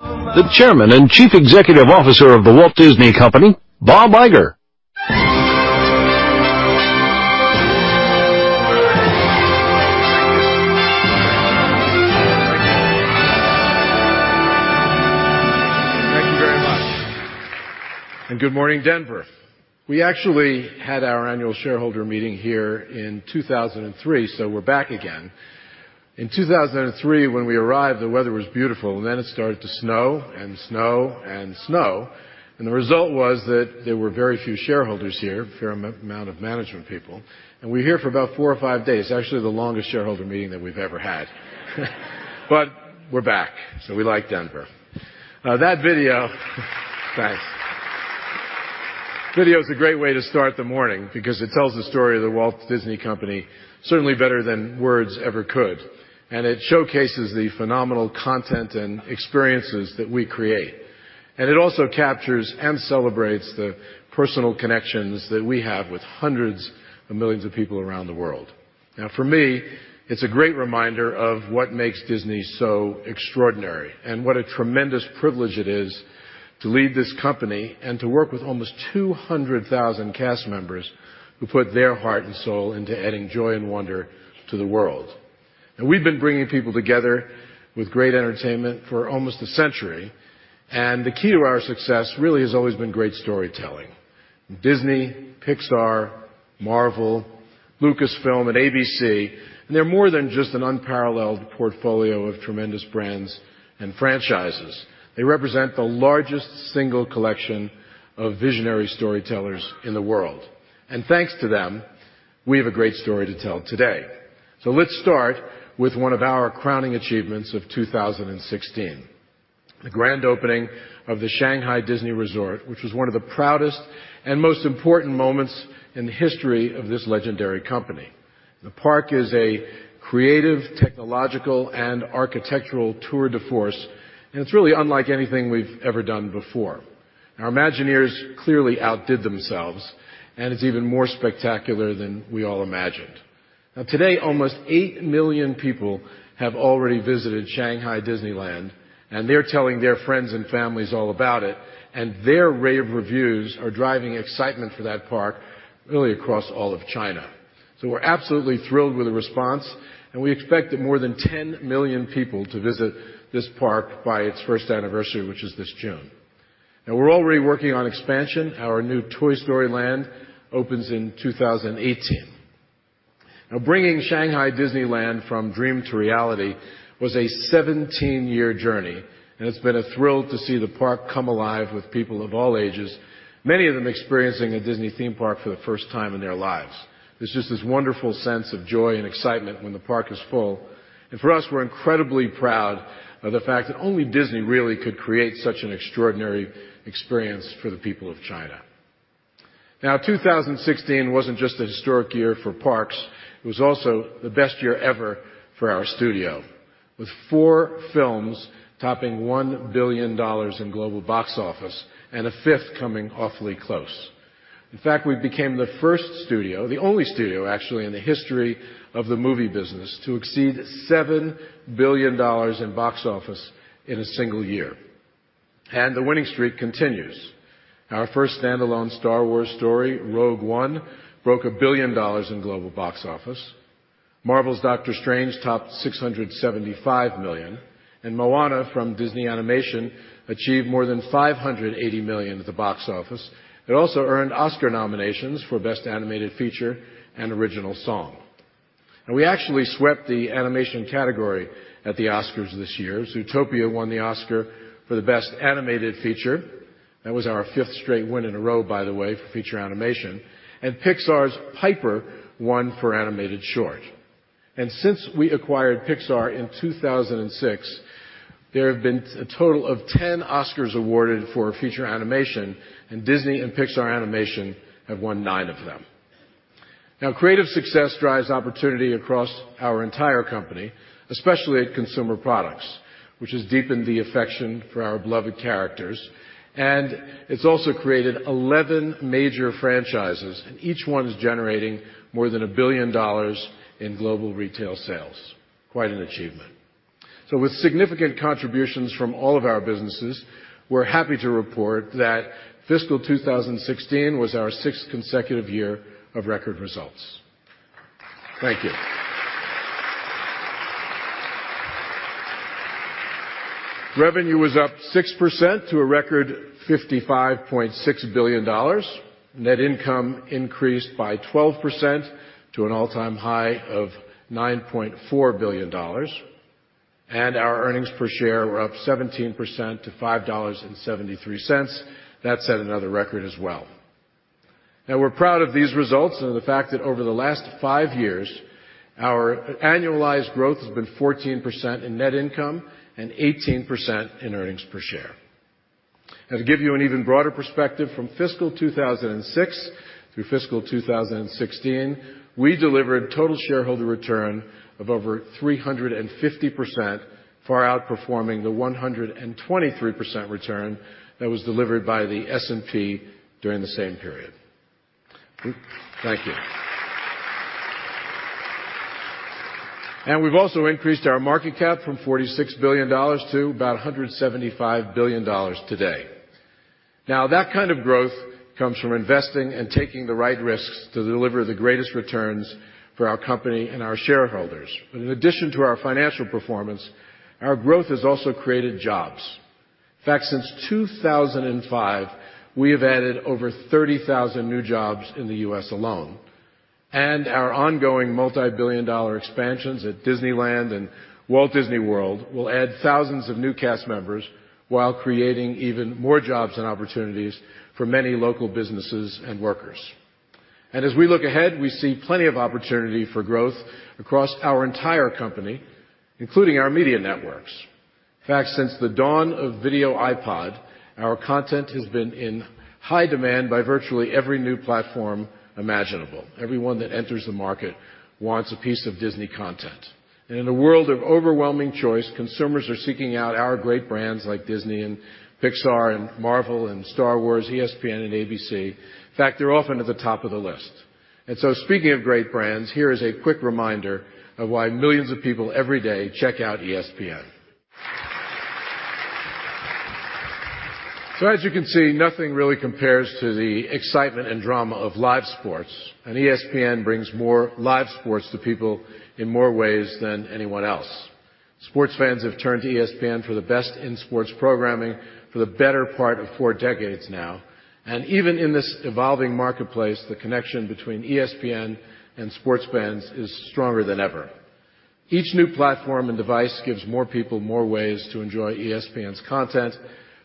The Chairman and Chief Executive Officer of The Walt Disney Company, Bob Iger. Thank you. Thank you very much. Good morning, Denver. We actually had our annual shareholder meeting here in 2003. We're back again. In 2003, when we arrived, the weather was beautiful. It started to snow and snow and snow. The result was that there were very few shareholders here, a fair amount of management people. We were here for about four or five days, actually the longest shareholder meeting that we've ever had. We're back. We like Denver. Thanks. That video is a great way to start the morning because it tells the story of The Walt Disney Company certainly better than words ever could. It showcases the phenomenal content and experiences that we create. It also captures and celebrates the personal connections that we have with hundreds of millions of people around the world. For me, it's a great reminder of what makes Disney so extraordinary and what a tremendous privilege it is to lead this company and to work with almost 200,000 cast members who put their heart and soul into adding joy and wonder to the world. We've been bringing people together with great entertainment for almost a century. The key to our success really has always been great storytelling. Disney, Pixar, Marvel, Lucasfilm, and ABC, they're more than just an unparalleled portfolio of tremendous brands and franchises. They represent the largest single collection of visionary storytellers in the world. Thanks to them, we have a great story to tell today. Let's start with one of our crowning achievements of 2016, the grand opening of the Shanghai Disney Resort, which was one of the proudest and most important moments in the history of this legendary company. The park is a creative, technological, and architectural tour de force. It's really unlike anything we've ever done before. Our Imagineers clearly outdid themselves. It's even more spectacular than we all imagined. Today, almost 8 million people have already visited Shanghai Disneyland. They're telling their friends and families all about it. Their rave reviews are driving excitement for that park really across all of China. We're absolutely thrilled with the response. We expect more than 10 million people to visit this park by its first anniversary, which is this June. We're already working on expansion. Our new Toy Story Land opens in 2018. Bringing Shanghai Disneyland from dream to reality was a 17-year journey, and it's been a thrill to see the park come alive with people of all ages, many of them experiencing a Disney theme park for the first time in their lives. There's just this wonderful sense of joy and excitement when the park is full. For us, we're incredibly proud of the fact that only Disney really could create such an extraordinary experience for the people of China. 2016 wasn't just a historic year for parks. It was also the best year ever for our studio, with four films topping $1 billion in global box office and a fifth coming awfully close. In fact, we became the first studio, the only studio actually in the history of the movie business, to exceed $7 billion in box office in a single year. The winning streak continues. Our first standalone Star Wars story, Rogue One, broke $1 billion in global box office. Marvel's Doctor Strange topped $675 million, and Moana from Disney Animation achieved more than $580 million at the box office. It also earned Oscar nominations for Best Animated Feature and Original Song. We actually swept the animation category at the Oscars this year. Zootopia won the Oscar for the Best Animated Feature. That was our fifth straight win in a row, by the way, for feature animation. Pixar's Piper won for Animated Short. Since we acquired Pixar in 2006, there have been a total of 10 Oscars awarded for feature animation, and Disney and Pixar Animation have won nine of them. Creative success drives opportunity across our entire company, especially at Consumer Products, which has deepened the affection for our beloved characters. It's also created 11 major franchises, and each one's generating more than $1 billion in global retail sales. Quite an achievement. With significant contributions from all of our businesses, we're happy to report that fiscal 2016 was our sixth consecutive year of record results. Thank you. Revenue was up 6% to a record $55.6 billion. Net income increased by 12% to an all-time high of $9.4 billion. Our earnings per share were up 17% to $5.73. That set another record as well. We're proud of these results and the fact that over the last five years, our annualized growth has been 14% in net income and 18% in earnings per share. To give you an even broader perspective, from fiscal 2006 through fiscal 2016, we delivered total shareholder return of over 350%, far outperforming the 123% return that was delivered by the S&P during the same period. Thank you. We've also increased our market cap from $46 billion to about $175 billion today. That kind of growth comes from investing and taking the right risks to deliver the greatest returns for our company and our shareholders. In addition to our financial performance, our growth has also created jobs. In fact, since 2005, we have added over 30,000 new jobs in the U.S. alone. Our ongoing multibillion-dollar expansions at Disneyland and Walt Disney World will add thousands of new cast members while creating even more jobs and opportunities for many local businesses and workers. As we look ahead, we see plenty of opportunity for growth across our entire company, including our media networks. In fact, since the dawn of video iPod, our content has been in high demand by virtually every new platform imaginable. Everyone that enters the market wants a piece of Disney content. In a world of overwhelming choice, consumers are seeking out our great brands like Disney and Pixar and Marvel and Star Wars, ESPN and ABC. In fact, they're often at the top of the list. Speaking of great brands, here is a quick reminder of why millions of people every day check out ESPN. As you can see, nothing really compares to the excitement and drama of live sports, and ESPN brings more live sports to people in more ways than anyone else. Sports fans have turned to ESPN for the best in sports programming for the better part of four decades now. Even in this evolving marketplace, the connection between ESPN and sports fans is stronger than ever. Each new platform and device gives more people more ways to enjoy ESPN's content,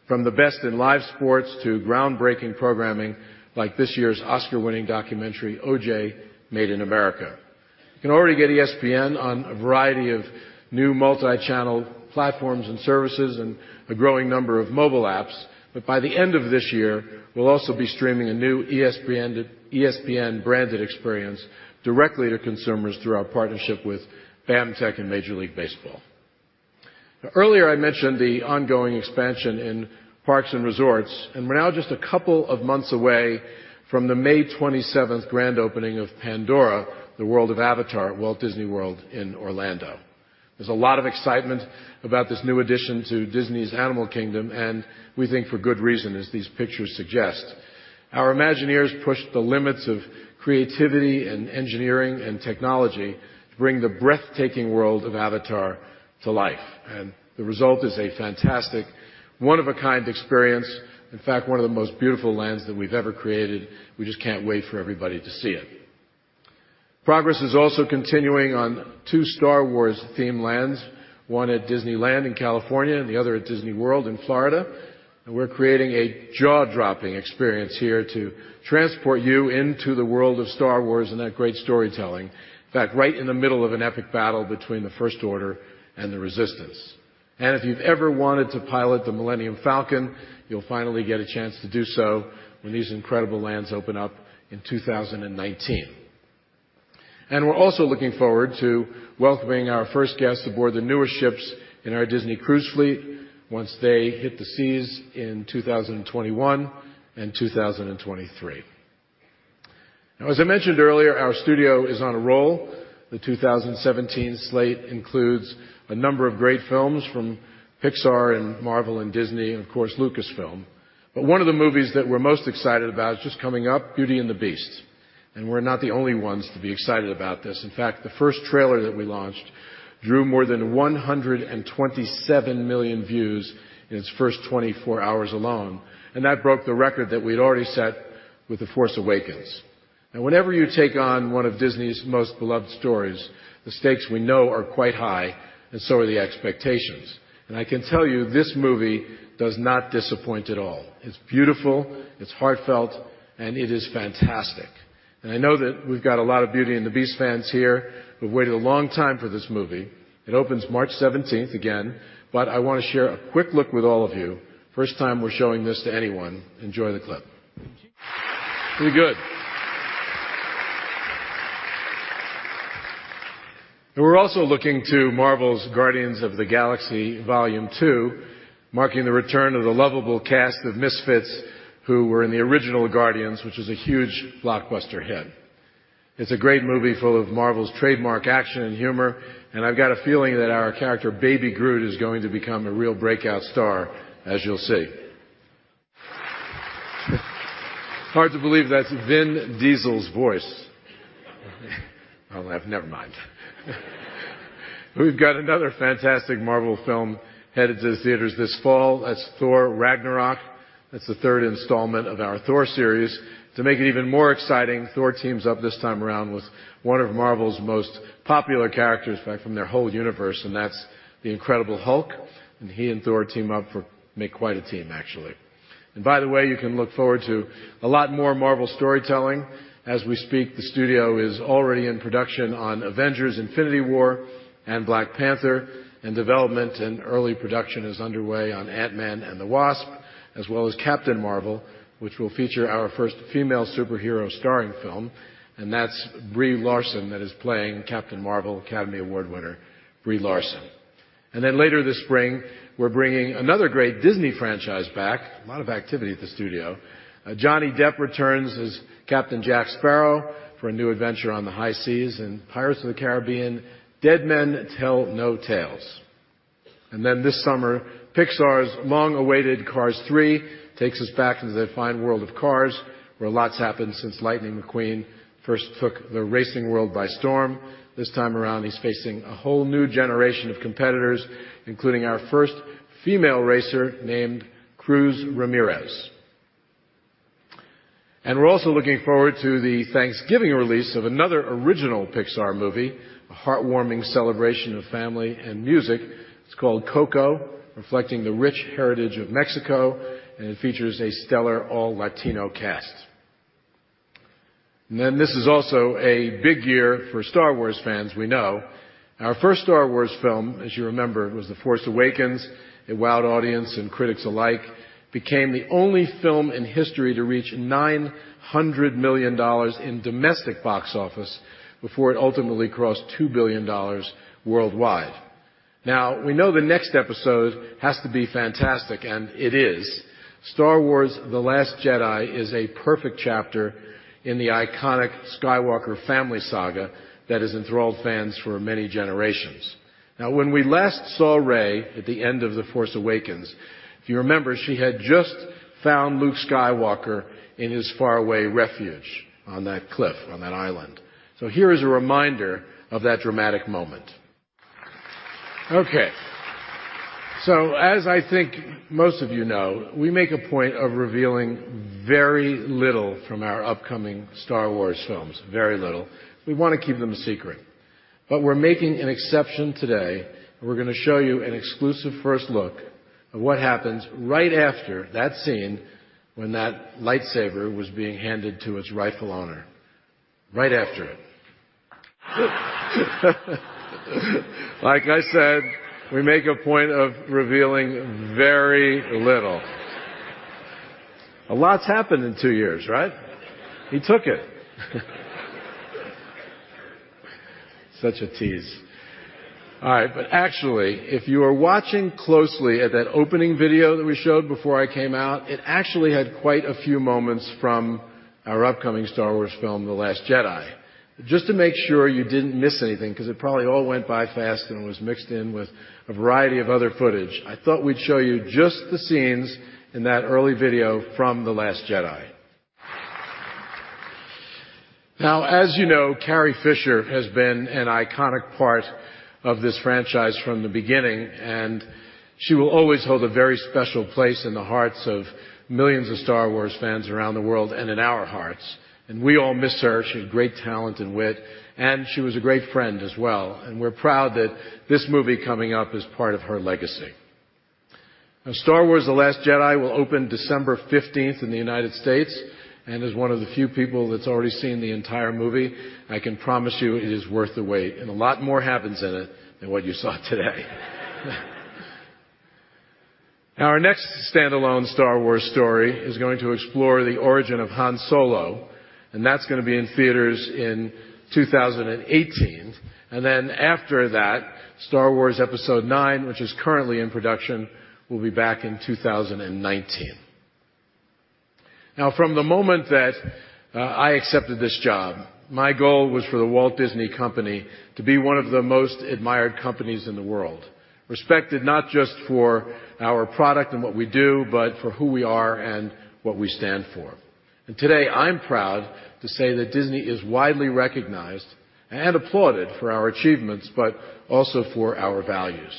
from the best in live sports to groundbreaking programming like this year's Oscar-winning documentary, O.J.: Made in America. You can already get ESPN on a variety of new multichannel platforms and services and a growing number of mobile apps. By the end of this year, we'll also be streaming a new ESPN-branded experience directly to consumers through our partnership with BAMTech and Major League Baseball. Earlier I mentioned the ongoing expansion in parks and resorts, and we're now just a couple of months away from the May 27th grand opening of Pandora, The World of Avatar at Walt Disney World in Orlando. There's a lot of excitement about this new addition to Disney's Animal Kingdom, and we think for good reason, as these pictures suggest. Our Imagineers pushed the limits of creativity and engineering and technology to bring the breathtaking world of Avatar to life, and the result is a fantastic one-of-a-kind experience. In fact, one of the most beautiful lands that we've ever created. We just can't wait for everybody to see it. Progress is also continuing on two Star Wars-themed lands, one at Disneyland in California and the other at Disney World in Florida. We're creating a jaw-dropping experience here to transport you into the world of Star Wars and that great storytelling. In fact, right in the middle of an epic battle between the First Order and the Resistance. If you've ever wanted to pilot the Millennium Falcon, you'll finally get a chance to do so when these incredible lands open up in 2019. We're also looking forward to welcoming our first guests aboard the newer ships in our Disney Cruise Line once they hit the seas in 2021 and 2023. As I mentioned earlier, our studio is on a roll. The 2017 slate includes a number of great films from Pixar and Marvel and Disney and, of course, Lucasfilm. One of the movies that we're most excited about is just coming up, Beauty and the Beast. We're not the only ones to be excited about this. The first trailer that we launched drew more than 127 million views in its first 24 hours alone, and that broke the record that we'd already set with The Force Awakens. Whenever you take on one of Disney's most beloved stories, the stakes we know are quite high, and so are the expectations. I can tell you this movie does not disappoint at all. It's beautiful, it's heartfelt, and it is fantastic. I know that we've got a lot of Beauty and the Beast fans here who've waited a long time for this movie. It opens March 17th. I want to share a quick look with all of you. First time we're showing this to anyone. Enjoy the clip. Pretty good. We're also looking to Marvel's Guardians of the Galaxy Volume II, marking the return of the lovable cast of misfits who were in the original Guardians, which was a huge blockbuster hit. It's a great movie full of Marvel's trademark action and humor, and I've got a feeling that our character Baby Groot is going to become a real breakout star, as you'll see. Hard to believe that's Vin Diesel's voice. Oh well, never mind. We've got another fantastic Marvel film headed to the theaters this fall. That's Thor: Ragnarok. That's the third installment of our Thor series. To make it even more exciting, Thor teams up this time around with one of Marvel's most popular characters from their whole universe, and that's the Incredible Hulk. He and Thor team up for make quite a team, actually. By the way, you can look forward to a lot more Marvel storytelling. As we speak, the studio is already in production on Avengers: Infinity War and Black Panther, and development and early production is underway on Ant-Man and the Wasp, as well as Captain Marvel, which will feature our first female superhero starring film. That's Brie Larson that is playing Captain Marvel, Academy Award winner Brie Larson. Later this spring, we're bringing another great Disney franchise back. A lot of activity at the studio. Johnny Depp returns as Captain Jack Sparrow for a new adventure on the high seas in "Pirates of the Caribbean: Dead Men Tell No Tales." This summer, Pixar's long-awaited "Cars 3" takes us back into the defined world of "Cars," where lots happened since Lightning McQueen first took the racing world by storm. This time around, he's facing a whole new generation of competitors, including our first female racer named Cruz Ramirez. We're also looking forward to the Thanksgiving release of another original Pixar movie, a heartwarming celebration of family and music. It's called "Coco," reflecting the rich heritage of Mexico, and it features a stellar all-Latino cast. This is also a big year for Star Wars fans, we know. Our first Star Wars film, as you remember, was "The Force Awakens." It wowed audience and critics alike, became the only film in history to reach $900 million in domestic box office before it ultimately crossed $2 billion worldwide. We know the next episode has to be fantastic, and it is. "Star Wars: The Last Jedi" is a perfect chapter in the iconic Skywalker family saga that has enthralled fans for many generations. When we last saw Rey at the end of "The Force Awakens," if you remember, she had just found Luke Skywalker in his faraway refuge on that cliff, on that island. Here is a reminder of that dramatic moment. Okay. As I think most of you know, we make a point of revealing very little from our upcoming Star Wars films. Very little. We wanna keep them a secret. We're making an exception today, and we're gonna show you an exclusive first look at what happens right after that scene when that lightsaber was being handed to its rightful owner. Right after it. Like I said, we make a point of revealing very little. A lot's happened in two years, right? He took it. Such a tease. All right. Actually, if you were watching closely at that opening video that we showed before I came out, it actually had quite a few moments from our upcoming Star Wars film, "The Last Jedi." Just to make sure you didn't miss anything, because it probably all went by fast and was mixed in with a variety of other footage, I thought we'd show you just the scenes in that early video from "The Last Jedi." As you know, Carrie Fisher has been an iconic part of this franchise from the beginning, and she will always hold a very special place in the hearts of millions of Star Wars fans around the world and in our hearts. We all miss her. She had great talent and wit, and she was a great friend as well, and we're proud that this movie coming up is part of her legacy. Star Wars: The Last Jedi" will open December 15th in the U.S., and as one of the few people that's already seen the entire movie, I can promise you it is worth the wait. A lot more happens in it than what you saw today. Our next standalone Star Wars story is going to explore the origin of Han Solo, and that's gonna be in theaters in 2018. After that, Star Wars Episode IX, which is currently in production, will be back in 2019. From the moment that I accepted this job, my goal was for The Walt Disney Company to be one of the most admired companies in the world. Respected not just for our product and what we do, but for who we are and what we stand for. Today, I'm proud to say that Disney is widely recognized, and applauded for our achievements, but also for our values.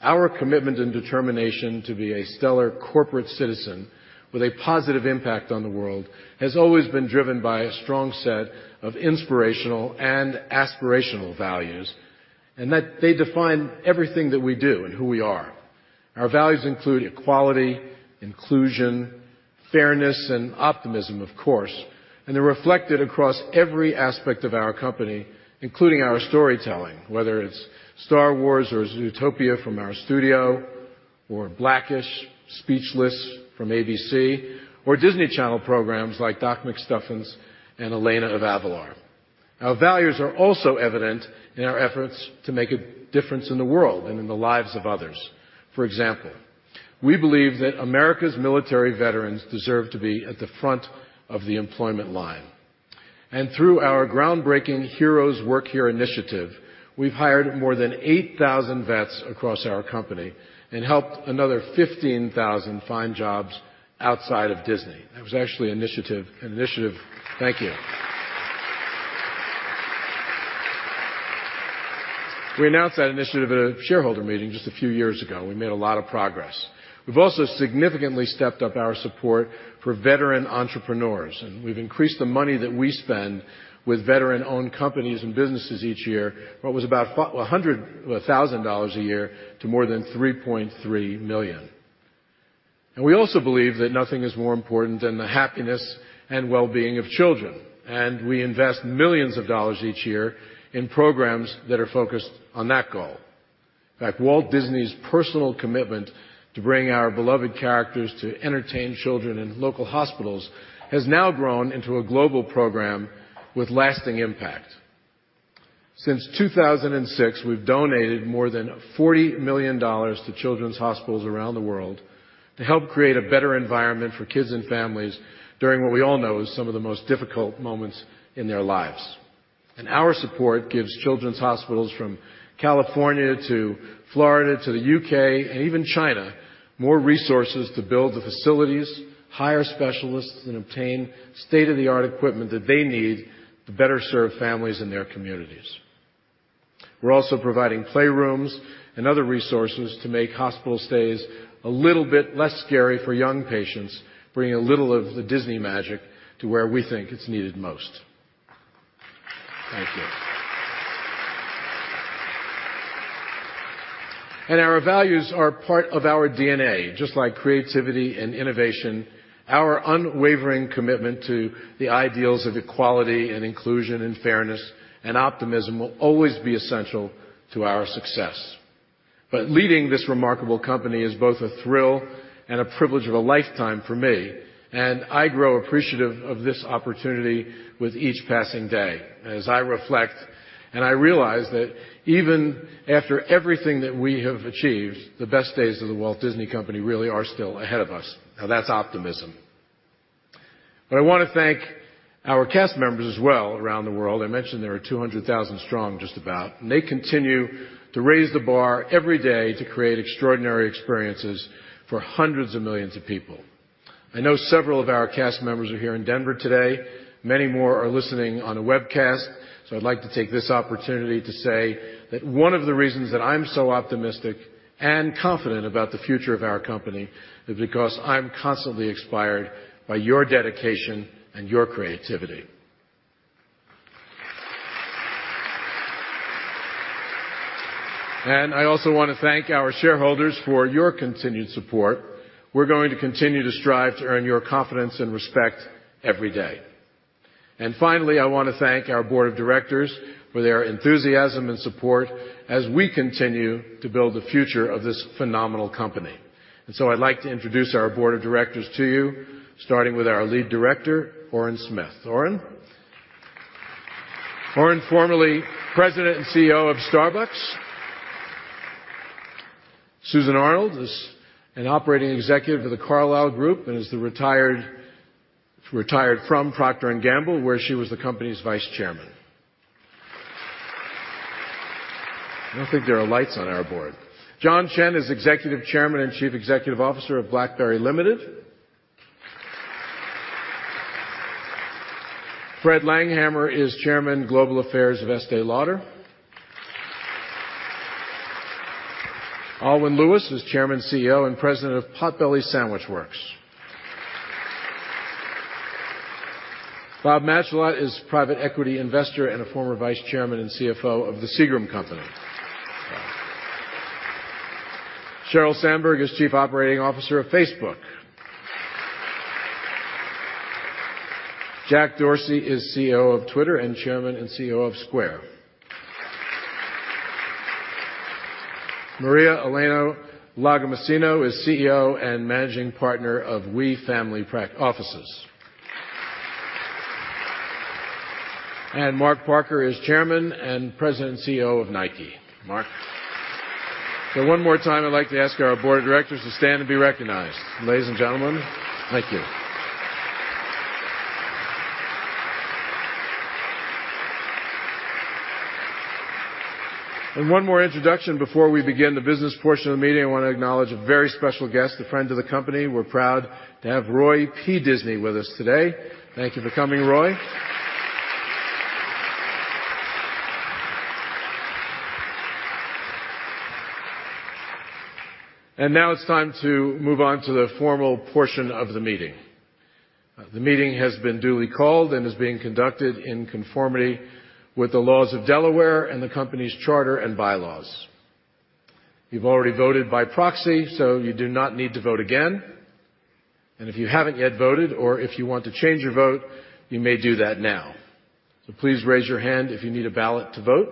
Our commitment and determination to be a stellar corporate citizen with a positive impact on the world has always been driven by a strong set of inspirational and aspirational values, and that they define everything that we do and who we are. Our values include equality, inclusion, fairness, and optimism, of course, and they're reflected across every aspect of our company, including our storytelling, whether it's Star Wars or Zootopia from our studio, or Black-ish, Speechless from ABC, or Disney Channel programs like Doc McStuffins and Elena of Avalor. Our values are also evident in our efforts to make a difference in the world and in the lives of others. For example, we believe that America's military veterans deserve to be at the front of the employment line. Through our groundbreaking Heroes Work Here initiative, we've hired more than 8,000 vets across our company and helped another 15,000 find jobs outside of Disney. That was actually an initiative. Thank you. We announced that initiative at a shareholder meeting just a few years ago. We made a lot of progress. We've also significantly stepped up our support for veteran entrepreneurs, and we've increased the money that we spend with veteran-owned companies and businesses each year from what was about $100,000 a year to more than $3.3 million. We also believe that nothing is more important than the happiness and well-being of children, and we invest millions of dollars each year in programs that are focused on that goal. In fact, Walt Disney's personal commitment to bring our beloved characters to entertain children in local hospitals has now grown into a global program with lasting impact. Since 2006, we've donated more than $40 million to children's hospitals around the world to help create a better environment for kids and families during what we all know is some of the most difficult moments in their lives. Our support gives children's hospitals from California to Florida to the U.K., and even China, more resources to build the facilities, hire specialists, and obtain state-of-the-art equipment that they need to better serve families in their communities. We're also providing playrooms and other resources to make hospital stays a little bit less scary for young patients, bringing a little of the Disney magic to where we think it's needed most. Thank you. Our values are part of our DNA, just like creativity and innovation, our unwavering commitment to the ideals of equality and inclusion and fairness and optimism will always be essential to our success. Leading this remarkable company is both a thrill and a privilege of a lifetime for me, and I grow appreciative of this opportunity with each passing day as I reflect and I realize that even after everything that we have achieved, the best days of The Walt Disney Company really are still ahead of us. Now, that's optimism. I want to thank our cast members as well around the world. I mentioned there are 200,000 strong, just about. They continue to raise the bar every day to create extraordinary experiences for hundreds of millions of people. I know several of our cast members are here in Denver today. Many more are listening on a webcast. I'd like to take this opportunity to say that one of the reasons that I'm so optimistic and confident about the future of our company is because I'm constantly inspired by your dedication and your creativity. I also want to thank our shareholders for your continued support. We're going to continue to strive to earn your confidence and respect every day. Finally, I want to thank our board of directors for their enthusiasm and support as we continue to build the future of this phenomenal company. I'd like to introduce our board of directors to you, starting with our Lead Director, Orin Smith. Orin. Orin, formerly President and CEO of Starbucks. Susan Arnold is an Operating Executive of The Carlyle Group and is retired from Procter & Gamble, where she was the company's Vice Chairman. I don't think there are lights on our board. John Chen is Executive Chairman and Chief Executive Officer of BlackBerry Limited. Fred Langhammer is Chairman, Global Affairs of Estée Lauder. Aylwin Lewis is Chairman, CEO and President of Potbelly Sandwich Works. Bob Matschullat is private equity investor and a former vice chairman and CFO of The Seagram Company. Sheryl Sandberg is Chief Operating Officer of Facebook. Jack Dorsey is CEO of Twitter and Chairman and CEO of Square. Maria Elena Lagomasino is CEO and managing partner of WE Family Offices. Mark Parker is Chairman and President and CEO of Nike. Mark. One more time, I'd like to ask our board of directors to stand and be recognized. Ladies and gentlemen. Thank you. One more introduction before we begin the business portion of the meeting, I want to acknowledge a very special guest, a friend of the company. We're proud to have Roy P. Disney with us today. Thank you for coming, Roy. Now it's time to move on to the formal portion of the meeting. The meeting has been duly called and is being conducted in conformity with the laws of Delaware and the company's charter and bylaws. You've already voted by proxy, so you do not need to vote again. If you haven't yet voted or if you want to change your vote, you may do that now. Please raise your hand if you need a ballot to vote.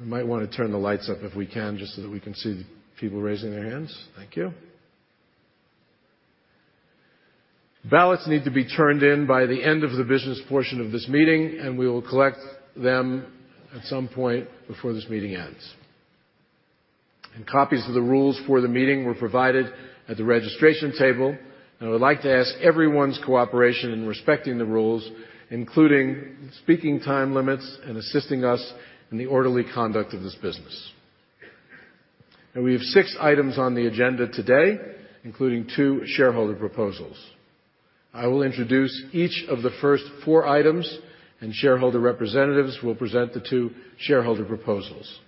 We might want to turn the lights up if we can just so that we can see the people raising their hands. Thank you. Ballots need to be turned in by the end of the business portion of this meeting, and we will collect them at some point before this meeting ends. Copies of the rules for the meeting were provided at the registration table, and I would like to ask everyone's cooperation in respecting the rules, including speaking time limits and assisting us in the orderly conduct of this business. Now, we have 6 items on the agenda today, including 2 shareholder proposals. I will introduce each of the first 4 items, and shareholder representatives will present the 2 shareholder proposals.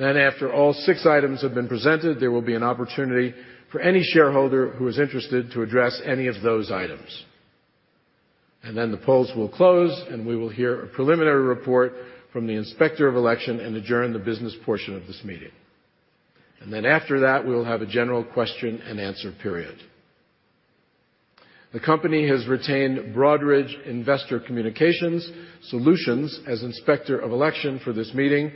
After all 6 items have been presented, there will be an opportunity for any shareholder who is interested to address any of those items. The polls will close, and we will hear a preliminary report from the Inspector of Election and adjourn the business portion of this meeting. After that, we will have a general question-and-answer period. The company has retained Broadridge Investor Communication Solutions as Inspector of Election for this meeting,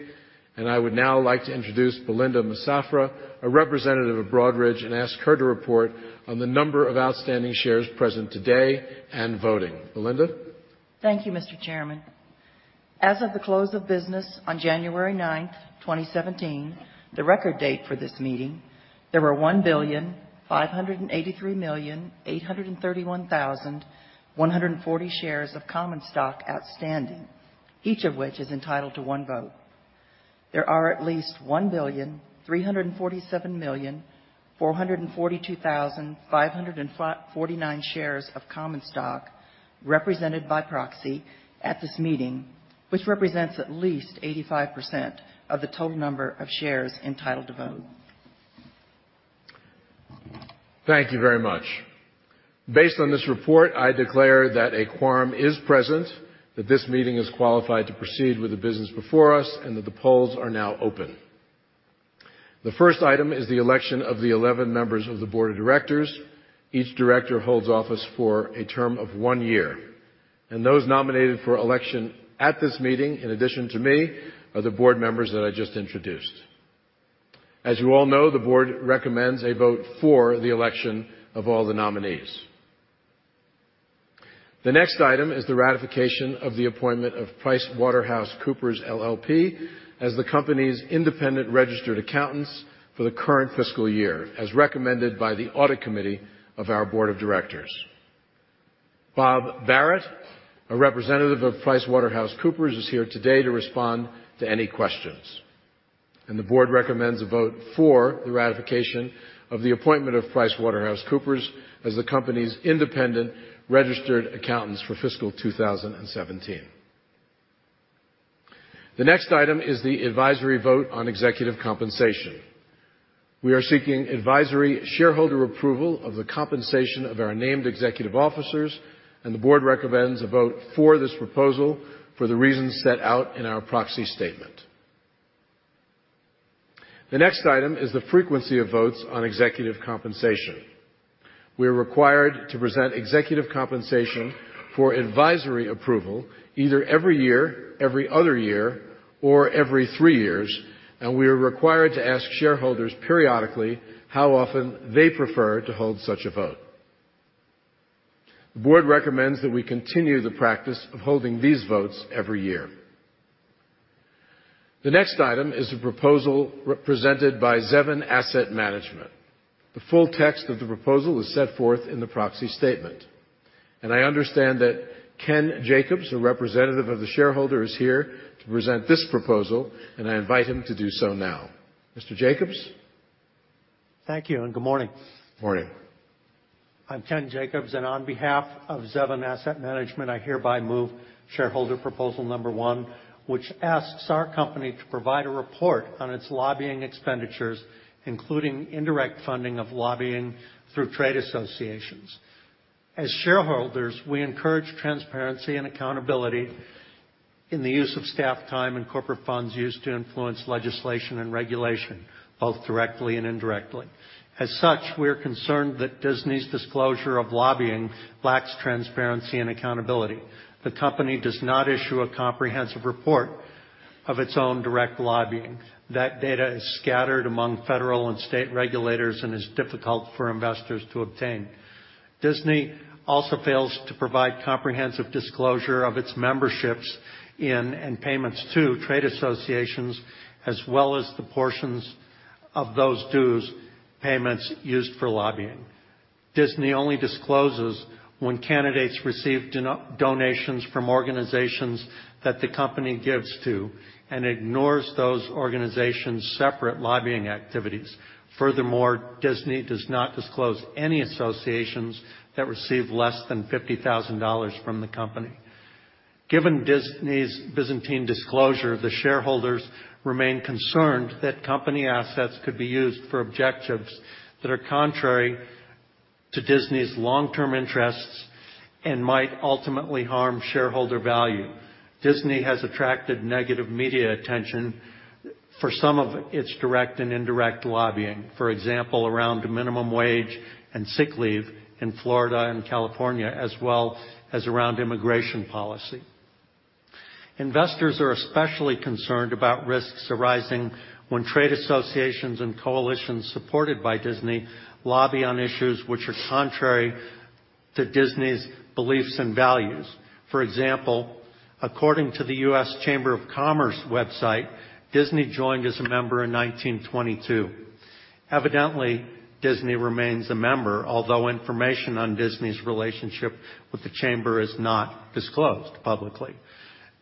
and I would now like to introduce Belinda Massafra, a representative of Broadridge, and ask her to report on the number of outstanding shares present today and voting. Belinda? Thank you, Mr. Chairman. As of the close of business on January 9th, 2017, the record date for this meeting, there were 1,583,831,140 shares of common stock outstanding, each of which is entitled to one vote. There are at least 1,347,442,549 shares of common stock represented by proxy at this meeting, which represents at least 85% of the total number of shares entitled to vote. Thank you very much. Based on this report, I declare that a quorum is present, that this meeting is qualified to proceed with the business before us, that the polls are now open. The first item is the election of the 11 members of the board of directors. Each director holds office for a term of one year. Those nominated for election at this meeting, in addition to me, are the board members that I just introduced. As you all know, the board recommends a vote for the election of all the nominees. The next item is the ratification of the appointment of PricewaterhouseCoopers LLP as the company's independent registered accountants for the current fiscal year, as recommended by the audit committee of our board of directors. Bob Barrett, a representative of PricewaterhouseCoopers, is here today to respond to any questions. The board recommends a vote for the ratification of the appointment of PricewaterhouseCoopers as the company's independent registered accountants for fiscal 2017. The next item is the advisory vote on executive compensation. We are seeking advisory shareholder approval of the compensation of our named executive officers, the board recommends a vote for this proposal for the reasons set out in our proxy statement. The next item is the frequency of votes on executive compensation. We're required to present executive compensation for advisory approval either every year, every other year, or every three years, we are required to ask shareholders periodically how often they prefer to hold such a vote. The board recommends that we continue the practice of holding these votes every year. The next item is a proposal represented by Zevin Asset Management. The full text of the proposal is set forth in the proxy statement. I understand that Ken Jacobs, a representative of the shareholder, is here to present this proposal, I invite him to do so now. Mr. Jacobs? Thank you, good morning. Morning. I'm Ken Jacobs, on behalf of Zevin Asset Management, I hereby move shareholder proposal number 1, which asks our company to provide a report on its lobbying expenditures, including indirect funding of lobbying through trade associations. As shareholders, we encourage transparency and accountability in the use of staff time and corporate funds used to influence legislation and regulation, both directly and indirectly. As such, we're concerned that Disney's disclosure of lobbying lacks transparency and accountability. The company does not issue a comprehensive report of its own direct lobbying. That data is scattered among federal and state regulators and is difficult for investors to obtain. Disney also fails to provide comprehensive disclosure of its memberships in, and payments to, trade associations, as well as the portions of those dues payments used for lobbying. Disney only discloses when candidates receive donations from organizations that the company gives to and ignores those organizations' separate lobbying activities. Disney does not disclose any associations that receive less than $50,000 from the company. Given Disney's byzantine disclosure, the shareholders remain concerned that company assets could be used for objectives that are contrary to Disney's long-term interests and might ultimately harm shareholder value. Disney has attracted negative media attention for some of its direct and indirect lobbying. Around minimum wage and sick leave in Florida and California, as well as around immigration policy. Investors are especially concerned about risks arising when trade associations and coalitions supported by Disney lobby on issues which are contrary to Disney's beliefs and values. According to the U.S. Chamber of Commerce website, Disney joined as a member in 1922. Disney remains a member, although information on Disney's relationship with the Chamber is not disclosed publicly.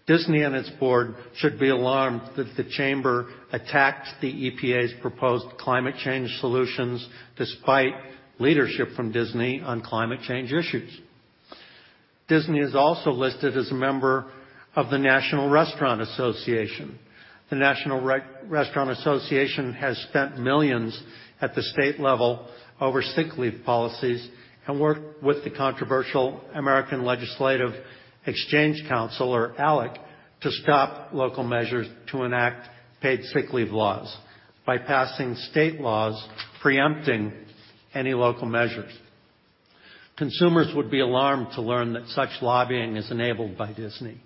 Disney and its board should be alarmed that the Chamber attacked the EPA's proposed climate change solutions despite leadership from Disney on climate change issues. Disney is also listed as a member of the National Restaurant Association. The National Restaurant Association has spent $ millions at the state level over sick leave policies and worked with the controversial American Legislative Exchange Council, or ALEC, to stop local measures to enact paid sick leave laws by passing state laws preempting any local measures. Consumers would be alarmed to learn that such lobbying is enabled by Disney,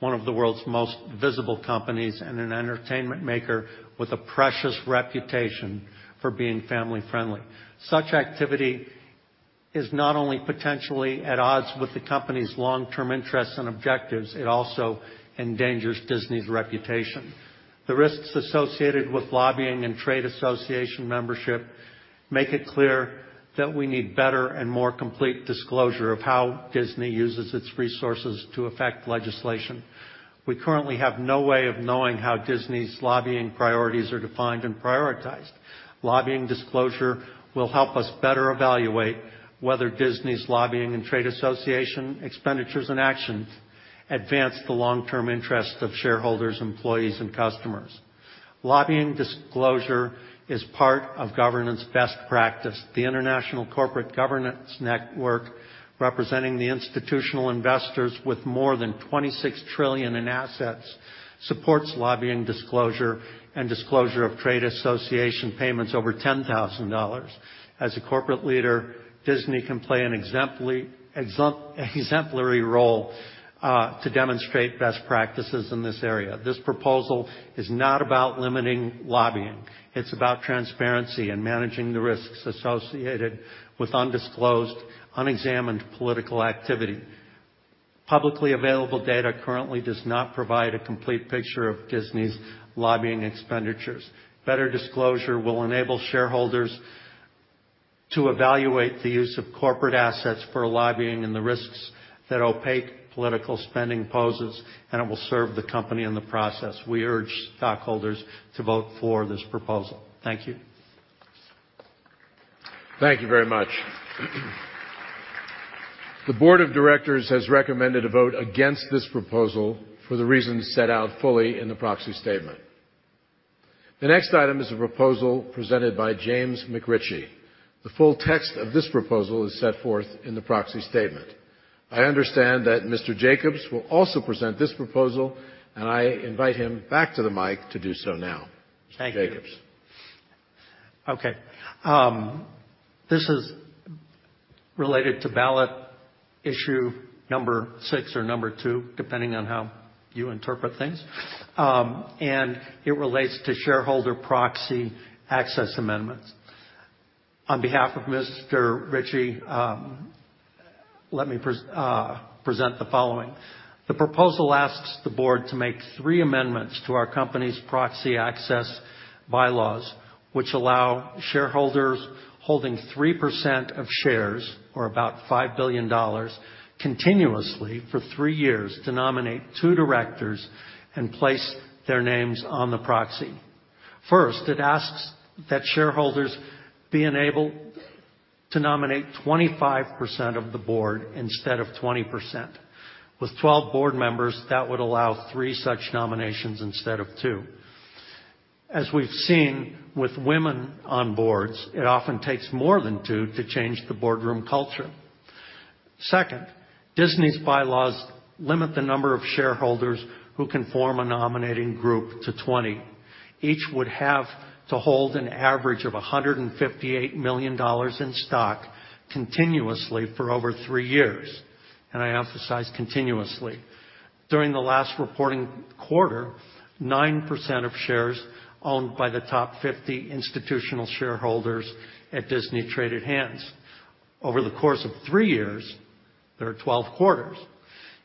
one of the world's most visible companies and an entertainment maker with a precious reputation for being family-friendly. Such activity is not only potentially at odds with the company's long-term interests and objectives, it also endangers Disney's reputation. The risks associated with lobbying and trade association membership make it clear that we need better and more complete disclosure of how Disney uses its resources to affect legislation. We currently have no way of knowing how Disney's lobbying priorities are defined and prioritized. Lobbying disclosure will help us better evaluate whether Disney's lobbying and trade association expenditures and actions advance the long-term interest of shareholders, employees, and customers. Lobbying disclosure is part of governance best practice. The International Corporate Governance Network, representing the institutional investors with more than $26 trillion in assets, supports lobbying disclosure and disclosure of trade association payments over $10,000. As a corporate leader, Disney can play an exemplary role to demonstrate best practices in this area. This proposal is not about limiting lobbying. It's about transparency and managing the risks associated with undisclosed, unexamined political activity. Publicly available data currently does not provide a complete picture of Disney's lobbying expenditures. Better disclosure will enable shareholders to evaluate the use of corporate assets for lobbying and the risks that opaque political spending poses. It will serve the company in the process. We urge stockholders to vote for this proposal. Thank you. Thank you very much. The Board of Directors has recommended a vote against this proposal for the reasons set out fully in the proxy statement. The next item is a proposal presented by James McRitchie. The full text of this proposal is set forth in the proxy statement. I understand that Mr. Jacobs will also present this proposal. I invite him back to the mic to do so now. Thank you. Mr. Jacobs. Okay. This is related to ballot issue number 6 or number 2, depending on how you interpret things. It relates to shareholder proxy access amendments. On behalf of James McRitchie, let me present the following. The proposal asks the board to make 3 amendments to our company's proxy access bylaws, which allow shareholders holding 3% of shares or about $5 billion continuously for 3 years to nominate 2 directors and place their names on the proxy. First, it asks that shareholders be enabled to nominate 25% of the board instead of 20%. With 12 board members, that would allow 3 such nominations instead of 2. As we've seen with women on boards, it often takes more than 2 to change the boardroom culture. Second, Disney's bylaws limit the number of shareholders who can form a nominating group to 20. Each would have to hold an average of $158 million in stock continuously for over 3 years. I emphasize continuously. During the last reporting quarter, 9% of shares owned by the top 50 institutional shareholders at Disney traded hands. Over the course of 3 years, there are 12 quarters.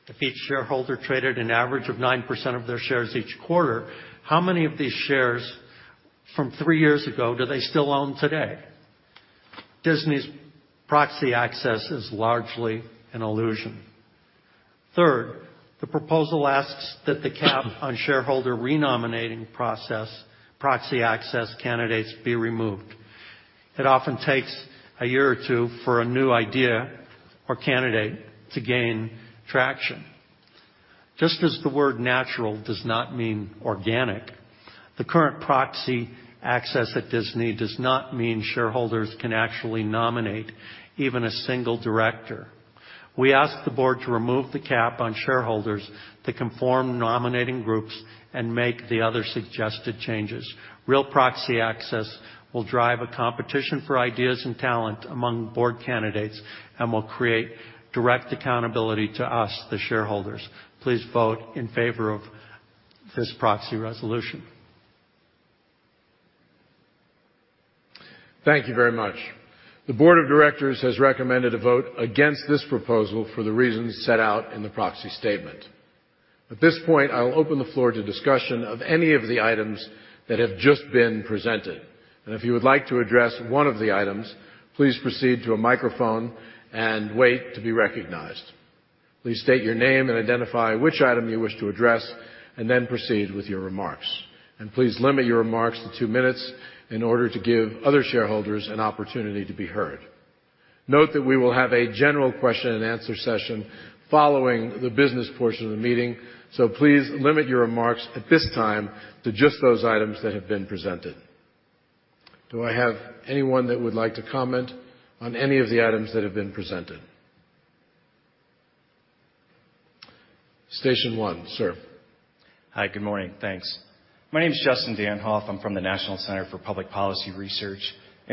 If each shareholder traded an average of 9% of their shares each quarter, how many of these shares from 3 years ago do they still own today? Disney's proxy access is largely an illusion. Third, the proposal asks that the cap on shareholder re-nominating process proxy access candidates be removed. It often takes a year or 2 for a new idea or candidate to gain traction. Just as the word natural does not mean organic, the current proxy access at Disney does not mean shareholders can actually nominate even a single director. We ask the board to remove the cap on shareholders to conform nominating groups and make the other suggested changes. Real proxy access will drive a competition for ideas and talent among board candidates and will create direct accountability to us, the shareholders. Please vote in favor of this proxy resolution. Thank you very much. The Board of Directors has recommended a vote against this proposal for the reasons set out in the proxy statement. At this point, I will open the floor to discussion of any of the items that have just been presented. If you would like to address one of the items, please proceed to a microphone and wait to be recognized. Please state your name and identify which item you wish to address, then proceed with your remarks. Please limit your remarks to 2 minutes in order to give other shareholders an opportunity to be heard. Note that we will have a general question and answer session following the business portion of the meeting, please limit your remarks at this time to just those items that have been presented. Do I have anyone that would like to comment on any of the items that have been presented? Station 1, sir. Hi. Good morning. Thanks. My name is Justin Danhof. I am from the National Center for Public Policy Research,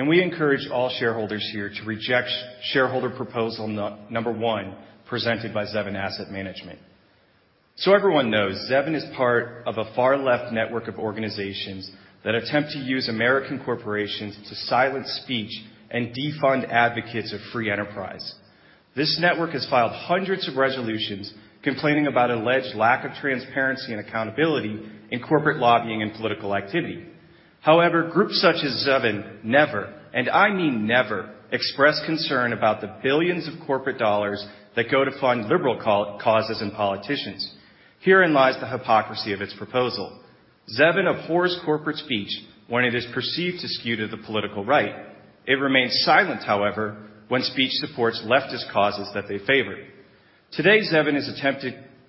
we encourage all shareholders here to reject shareholder proposal number 1 presented by Zevin Asset Management. Everyone knows Zevin is part of a far-left network of organizations that attempt to use American corporations to silence speech and defund advocates of free enterprise. This network has filed hundreds of resolutions complaining about alleged lack of transparency and accountability in corporate lobbying and political activity. However, groups such as Zevin never, I mean never, express concern about the billions of corporate dollars that go to fund liberal causes and politicians. Herein lies the hypocrisy of its proposal. Zevin abhors corporate speech when it is perceived to skew to the political right. It remains silent, however, when speech supports leftist causes that they favor. Today, Zevin is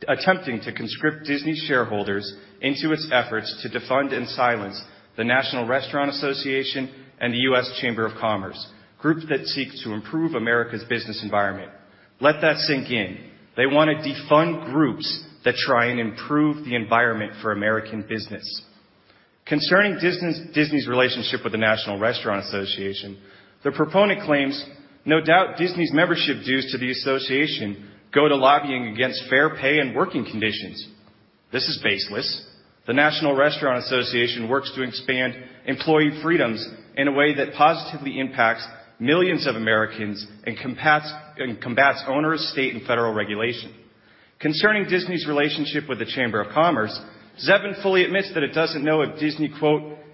attempting to conscript Disney shareholders into its efforts to defund and silence the National Restaurant Association and the U.S. Chamber of Commerce, groups that seek to improve America's business environment. Let that sink in. They want to defund groups that try and improve the environment for American business. Concerning Disney's relationship with the National Restaurant Association, the proponent claims, no doubt, Disney's membership dues to the association go to lobbying against fair pay and working conditions. This is baseless. The National Restaurant Association works to expand employee freedoms in a way that positively impacts millions of Americans and combats onerous state and federal regulation. Concerning Disney's relationship with the Chamber of Commerce, Zevin fully admits that it doesn't know if Disney,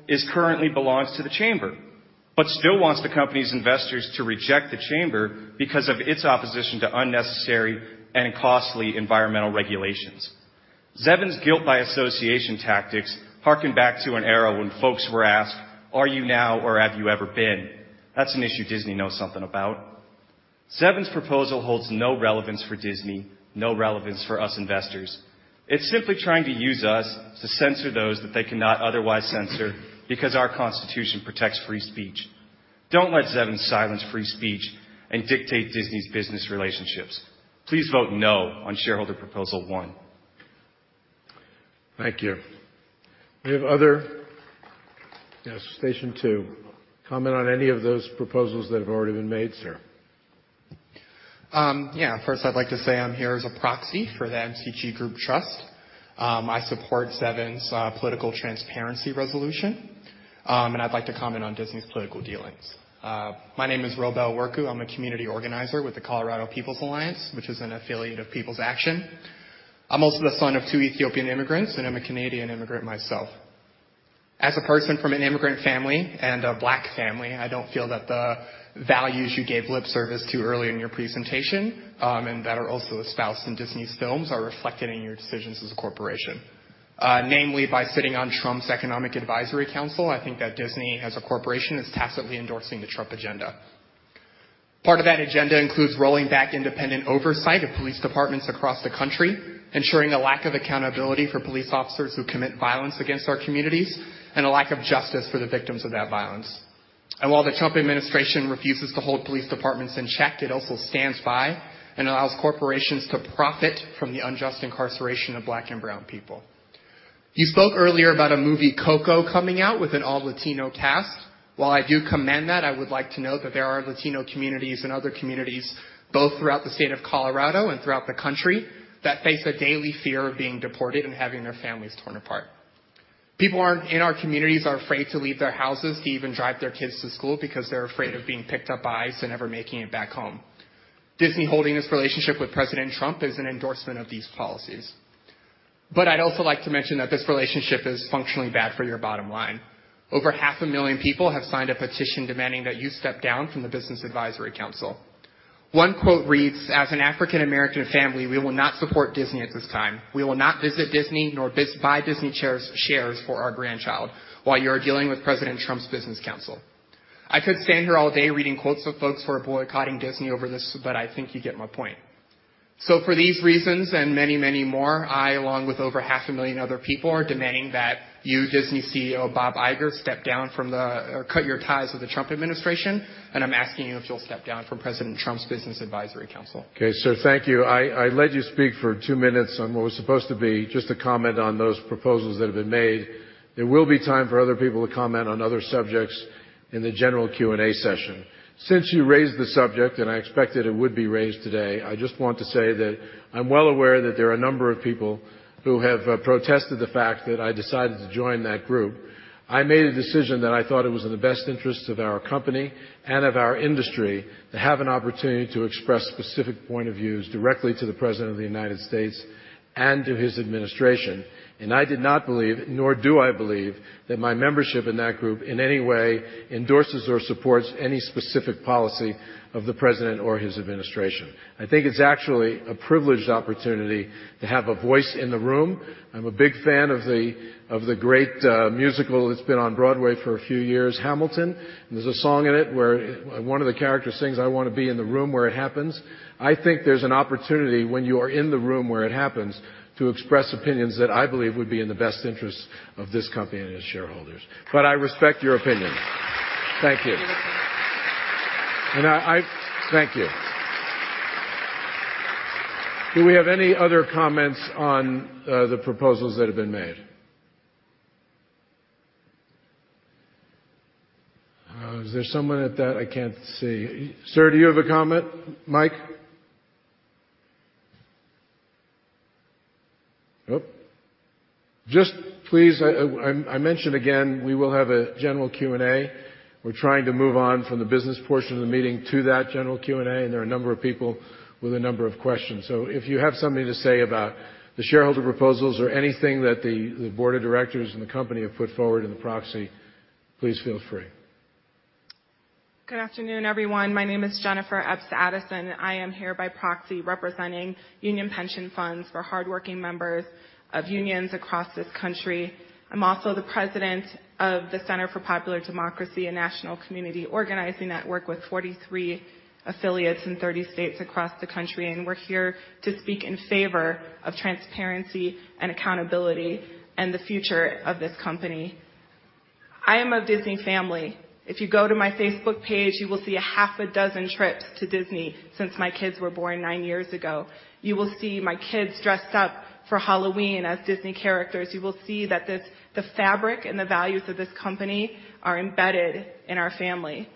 "Is currently belongs to the chamber," still wants the company's investors to reject the chamber because of its opposition to unnecessary and costly environmental regulations. Zevin's guilt by association tactics harken back to an era when folks were asked, "Are you now or have you ever been?" That's an issue Disney knows something about. Zevin's proposal holds no relevance for Disney, no relevance for us investors. It's simply trying to use us to censor those that they cannot otherwise censor because our Constitution protects free speech. Don't let Zevin silence free speech and dictate Disney's business relationships. Please vote no on shareholder proposal one. Thank you. Yes, station two. Comment on any of those proposals that have already been made, sir. Yeah. First, I'd like to say I'm here as a proxy for the MCG Group Trust. I support Zevin's political transparency resolution. I'd like to comment on Disney's political dealings. My name is Robel Worku. I'm a community organizer with the Colorado People's Alliance, which is an affiliate of People's Action. I'm also the son of two Ethiopian immigrants, and I'm a Canadian immigrant myself. As a person from an immigrant family and a Black family, I don't feel that the values you gave lip service to earlier in your presentation, and that are also espoused in Disney's films, are reflected in your decisions as a corporation. Namely, by sitting on Trump's Economic Advisory Council, I think that Disney as a corporation is tacitly endorsing the Trump agenda. Part of that agenda includes rolling back independent oversight of police departments across the country, ensuring a lack of accountability for police officers who commit violence against our communities, and a lack of justice for the victims of that violence. While the Trump administration refuses to hold police departments in check, it also stands by and allows corporations to profit from the unjust incarceration of Black and Brown people. You spoke earlier about a movie, Coco, coming out with an all-Latino cast. While I do commend that, I would like to note that there are Latino communities and other communities, both throughout the state of Colorado and throughout the country, that face a daily fear of being deported and having their families torn apart. People in our communities are afraid to leave their houses to even drive their kids to school because they are afraid of being picked up by ICE and never making it back home. Disney holding this relationship with President Trump is an endorsement of these policies. I would also like to mention that this relationship is functionally bad for your bottom line. Over 500,000 people have signed a petition demanding that you step down from the Business Advisory Council. One quote reads, "As an African-American family, we will not support Disney at this time. We will not visit Disney nor buy Disney shares for our grandchild while you are dealing with President Trump's Business Council." I could stand here all day reading quotes of folks who are boycotting Disney over this. I think you get my point. For these reasons and many, many more, I, along with over 500,000 other people, are demanding that you, Disney CEO Bob Iger, cut your ties with the Trump administration, and I am asking you if you will step down from President Trump's Business Advisory Council. Okay, sir. Thank you. I let you speak for two minutes on what was supposed to be just a comment on those proposals that have been made. There will be time for other people to comment on other subjects in the general Q&A session. I expected it would be raised today. I just want to say that I am well aware that there are a number of people who have protested the fact that I decided to join that group. I made a decision that I thought it was in the best interest of our company and of our industry to have an opportunity to express specific point of views directly to the President of the United States and to his administration. I did not believe, nor do I believe, that my membership in that group in any way endorses or supports any specific policy of the President or his administration. I think it is actually a privileged opportunity to have a voice in the room. I am a big fan of the great musical that has been on Broadway for a few years, Hamilton. There is a song in it where one of the characters sings, "I wanna be in the room where it happens." I think there is an opportunity when you are in the room where it happens to express opinions that I believe would be in the best interest of this company and its shareholders. I respect your opinion. Thank you. Thank you. Do we have any other comments on the proposals that have been made? Is there someone at that? I cannot see. Sir, do you have a comment? Mike? Nope. Just please, I mention again, we will have a general Q&A. We're trying to move on from the business portion of the meeting to that general Q&A, and there are a number of people with a number of questions. If you have something to say about the shareholder proposals or anything that the board of directors and the company have put forward in the proxy, please feel free. Good afternoon, everyone. My name is Jennifer Epps-Addison. I am here by proxy representing union pension funds for hardworking members of unions across this country. I'm also the president of the Center for Popular Democracy, a national community organizing network with 43 affiliates in 30 states across the country, and we're here to speak in favor of transparency and accountability and the future of this company. I am a Disney family. If you go to my Facebook page, you will see a half a dozen trips to Disney since my kids were born nine years ago. You will see my kids dressed up for Halloween as Disney characters. You will see that the fabric and the values of this company are embedded in our family.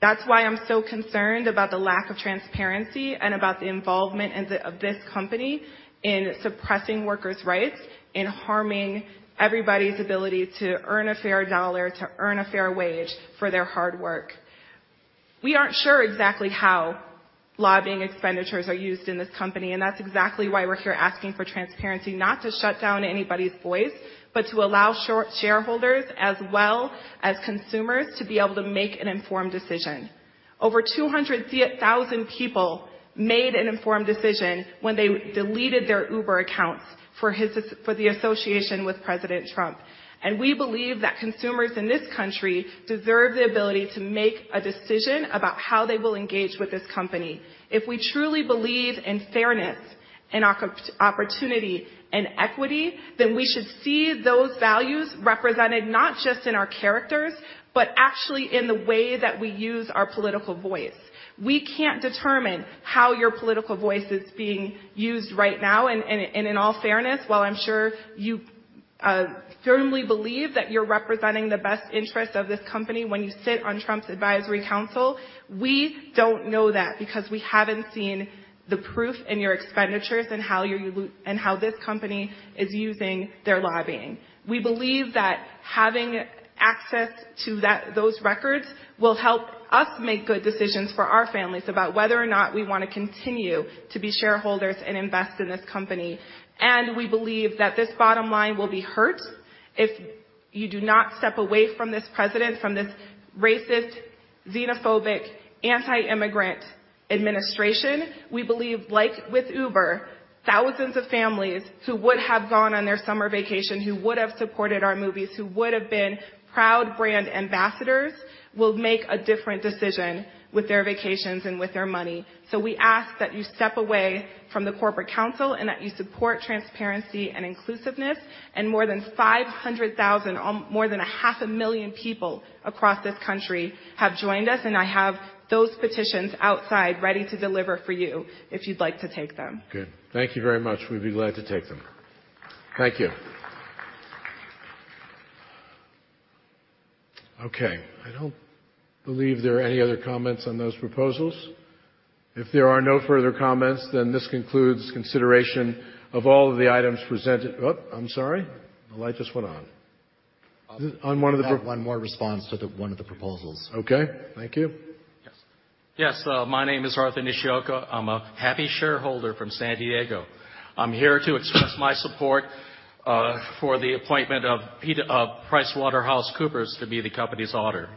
That's why I'm so concerned about the lack of transparency and about the involvement of this company in suppressing workers' rights, in harming everybody's ability to earn a fair dollar, to earn a fair wage for their hard work. We aren't sure exactly how lobbying expenditures are used in this company, and that's exactly why we're here asking for transparency, not to shut down anybody's voice, but to allow shareholders as well as consumers to be able to make an informed decision. Over 200,000 people made an informed decision when they deleted their Uber accounts for the association with President Trump. We believe that consumers in this country deserve the ability to make a decision about how they will engage with this company. If we truly believe in fairness and opportunity and equity, then we should see those values represented not just in our characters, but actually in the way that we use our political voice. We can't determine how your political voice is being used right now. In all fairness, while I'm sure you firmly believe that you're representing the best interest of this company when you sit on Trump's advisory council, we don't know that because we haven't seen the proof in your expenditures and how this company is using their lobbying. We believe that having access to those records will help us make good decisions for our families about whether or not we want to continue to be shareholders and invest in this company. We believe that this bottom line will be hurt if you do not step away from this president, from this racist, xenophobic, anti-immigrant administration. We believe, like with Uber, thousands of families who would have gone on their summer vacation, who would have supported our movies, who would have been proud brand ambassadors, will make a different decision with their vacations and with their money. We ask that you step away from the corporate council and that you support transparency and inclusiveness. More than 500,000, more than a half a million people across this country have joined us, I have those petitions outside ready to deliver for you if you'd like to take them. Good. Thank you very much. We'd be glad to take them. Thank you. Okay. I don't believe there are any other comments on those proposals. If there are no further comments, this concludes consideration of all of the items presented. Oh, I'm sorry. The light just went on. On one of the One more response to one of the proposals. Okay. Thank you. Yes. My name is Arthur Nishioka. I am a happy shareholder from San Diego. I am here to express my support for the appointment of PricewaterhouseCoopers to be the company's auditor.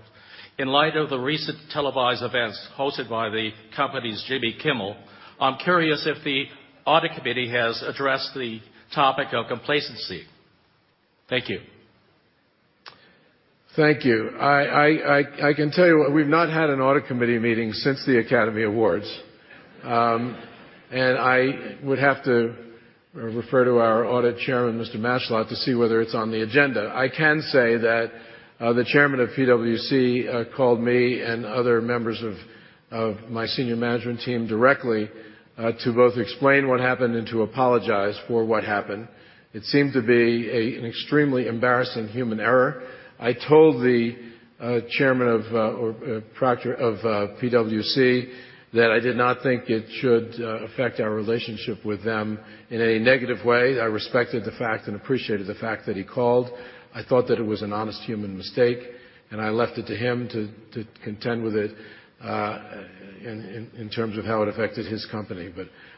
In light of the recent televised events hosted by the company's Jimmy Kimmel, I am curious if the audit committee has addressed the topic of complacency. Thank you. Thank you. I can tell you we have not had an audit committee meeting since the Academy Awards. I would have to refer to our audit chairman, Mr. Matschullat, to see whether it is on the agenda. I can say that the chairman of PwC called me and other members of my senior management team directly to both explain what happened and to apologize for what happened. It seemed to be an extremely embarrassing human error. I told the chairman of PwC that I did not think it should affect our relationship with them in any negative way. I respected the fact and appreciated the fact that he called. I thought that it was an honest human mistake, and I left it to him to contend with it in terms of how it affected his company.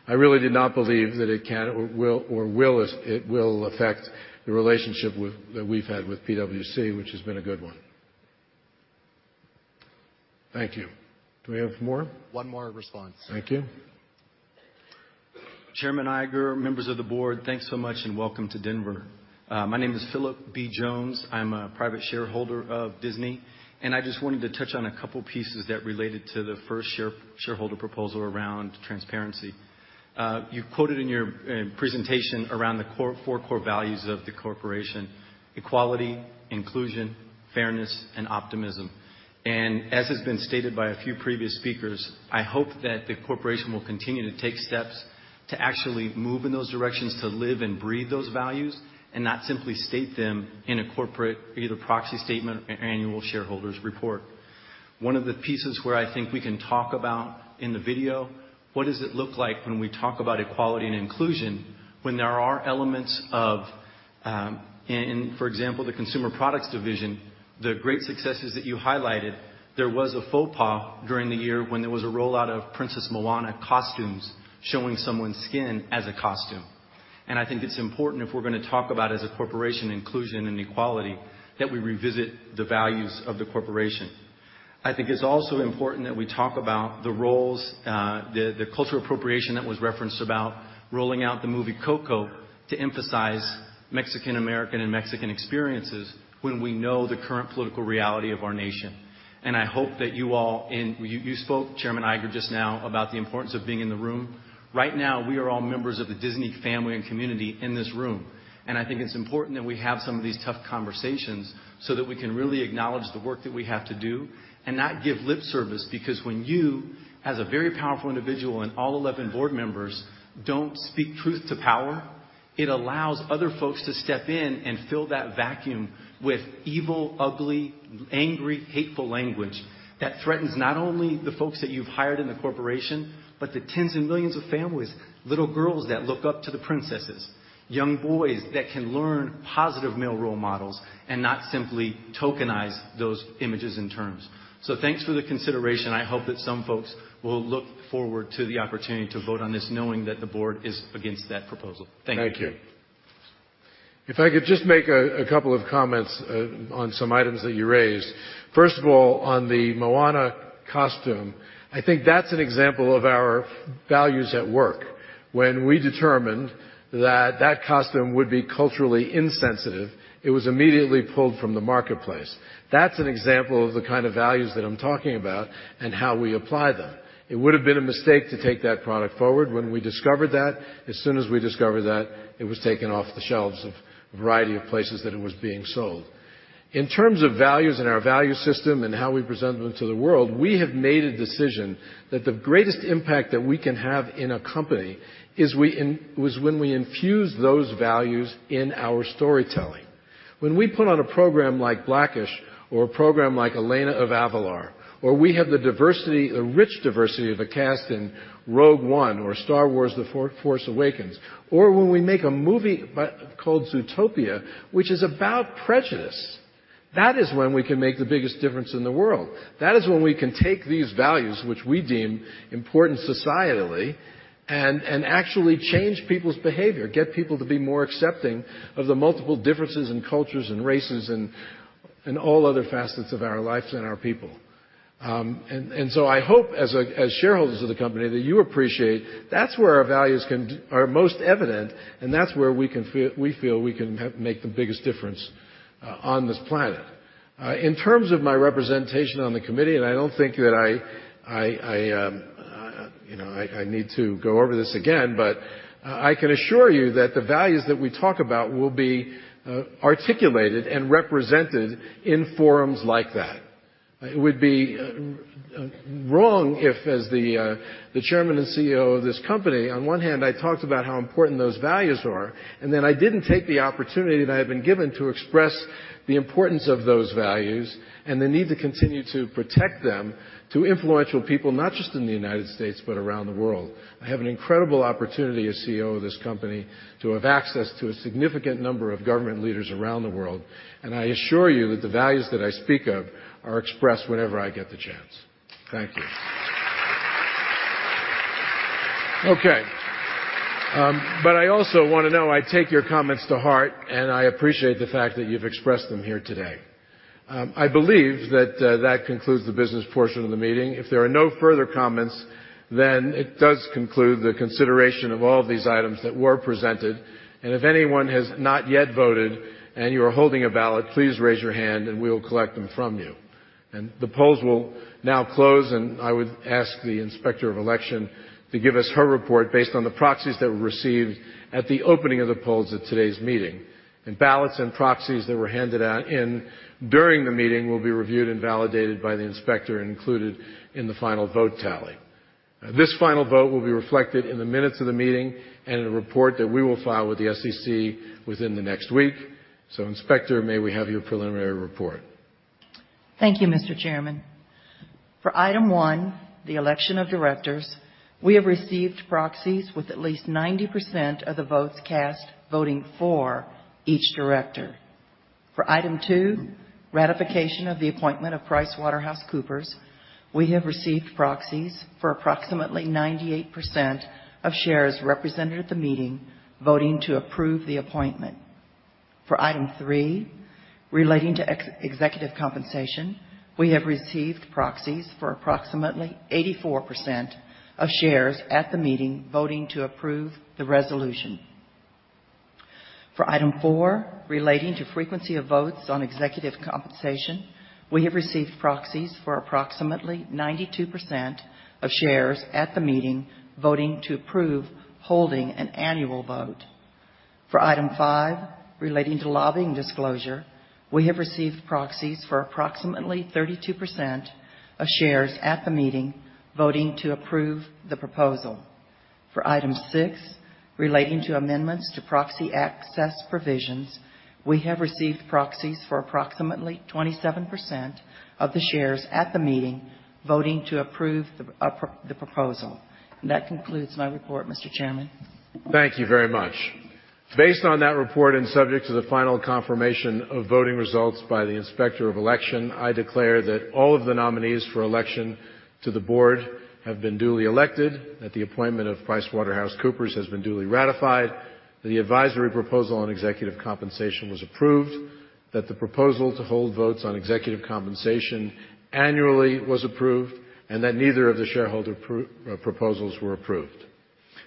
I really do not believe that it can or will affect the relationship that we have had with PwC, which has been a good one. Thank you. Do we have more? One more response. Thank you. Chairman Iger, members of the board, thanks so much and welcome to Denver. My name is Philip B. Jones. I am a private shareholder of Disney. I just wanted to touch on a couple pieces that related to the first shareholder proposal around transparency. You quoted in your presentation around the four core values of the corporation, equality, inclusion, fairness, and optimism. As has been stated by a few previous speakers, I hope that the corporation will continue to take steps to actually move in those directions to live and breathe those values and not simply state them in a corporate either proxy statement or annual shareholders report. One of the pieces where I think we can talk about in the video, what does it look like when we talk about equality and inclusion when there are elements of, for example, the Consumer Products division, the great successes that you highlighted. There was a faux pas during the year when there was a rollout of Princess Moana costumes showing someone's skin as a costume. I think it is important if we are going to talk about as a corporation inclusion and equality, that we revisit the values of the corporation. I think it is also important that we talk about the roles, the cultural appropriation that was referenced about rolling out the movie Coco to emphasize Mexican American and Mexican experiences when we know the current political reality of our nation. I hope that you all spoke, Chairman Iger, just now about the importance of being in the room. Right now, we are all members of the Disney family and community in this room, and I think it is important that we have some of these tough conversations so that we can really acknowledge the work that we have to do and not give lip service. Because when you, as a very powerful individual, and all 11 board members don't speak truth to power, it allows other folks to step in and fill that vacuum with evil, ugly, angry, hateful language that threatens not only the folks that you've hired in the corporation but the tens of millions of families. Little girls that look up to the princesses, young boys that can learn positive male role models and not simply tokenize those images and terms. Thanks for the consideration. I hope that some folks will look forward to the opportunity to vote on this, knowing that the Board is against that proposal. Thank you. Thank you. If I could just make a couple of comments on some items that you raised. First of all, on the Moana costume, I think that's an example of our values at work. When we determined that that costume would be culturally insensitive, it was immediately pulled from the marketplace. That's an example of the kind of values that I'm talking about and how we apply them. It would have been a mistake to take that product forward when we discovered that. As soon as we discovered that, it was taken off the shelves of a variety of places that it was being sold. In terms of values and our value system and how we present them to the world, we have made a decision that the greatest impact that we can have in a company was when we infused those values in our storytelling. When we put on a program like black-ish or a program like Elena of Avalor, or we have the rich diversity of a cast in Rogue One or Star Wars: The Force Awakens, or when we make a movie called Zootopia, which is about prejudice, that is when we can make the biggest difference in the world. That is when we can take these values, which we deem important societally, and actually change people's behavior, get people to be more accepting of the multiple differences in cultures and races and all other facets of our lives and our people. I hope as shareholders of the company that you appreciate that's where our values are most evident, and that's where we feel we can make the biggest difference on this planet. In terms of my representation on the committee, I don't think that I need to go over this again, I can assure you that the values that we talk about will be articulated and represented in forums like that. It would be wrong if, as the Chairman and CEO of this company, on one hand, I talked about how important those values are, and then I didn't take the opportunity that I have been given to express the importance of those values and the need to continue to protect them to influential people, not just in the U.S., but around the world. I have an incredible opportunity as CEO of this company to have access to a significant number of government leaders around the world, I assure you that the values that I speak of are expressed whenever I get the chance. Thank you. Okay. I also want to know, I take your comments to heart, I appreciate the fact that you've expressed them here today. I believe that that concludes the business portion of the meeting. If there are no further comments, it does conclude the consideration of all of these items that were presented. If anyone has not yet voted and you are holding a ballot, please raise your hand and we will collect them from you. The polls will now close, and I would ask the inspector of election to give us her report based on the proxies that were received at the opening of the polls at today's meeting. Ballots and proxies that were handed out during the meeting will be reviewed and validated by the inspector and included in the final vote tally. This final vote will be reflected in the minutes of the meeting and in a report that we will file with the SEC within the next week. Inspector, may we have your preliminary report? Thank you, Mr. Chairman. For item 1, the election of directors, we have received proxies with at least 90% of the votes cast voting for each director. For item 2, ratification of the appointment of PricewaterhouseCoopers, we have received proxies for approximately 98% of shares represented at the meeting voting to approve the appointment. For item 3, relating to executive compensation, we have received proxies for approximately 84% of shares at the meeting voting to approve the resolution. For item 4, relating to frequency of votes on executive compensation, we have received proxies for approximately 92% of shares at the meeting voting to approve holding an annual vote. For item 5, relating to lobbying disclosure, we have received proxies for approximately 32% of shares at the meeting voting to approve the proposal. For item 6, relating to amendments to proxy access provisions, we have received proxies for approximately 27% of the shares at the meeting voting to approve the proposal. That concludes my report, Mr. Chairman. Thank you very much. Based on that report and subject to the final confirmation of voting results by the Inspector of Election, I declare that all of the nominees for election to the board have been duly elected, that the appointment of PricewaterhouseCoopers has been duly ratified, that the advisory proposal on executive compensation was approved, that the proposal to hold votes on executive compensation annually was approved, that neither of the shareholder proposals were approved.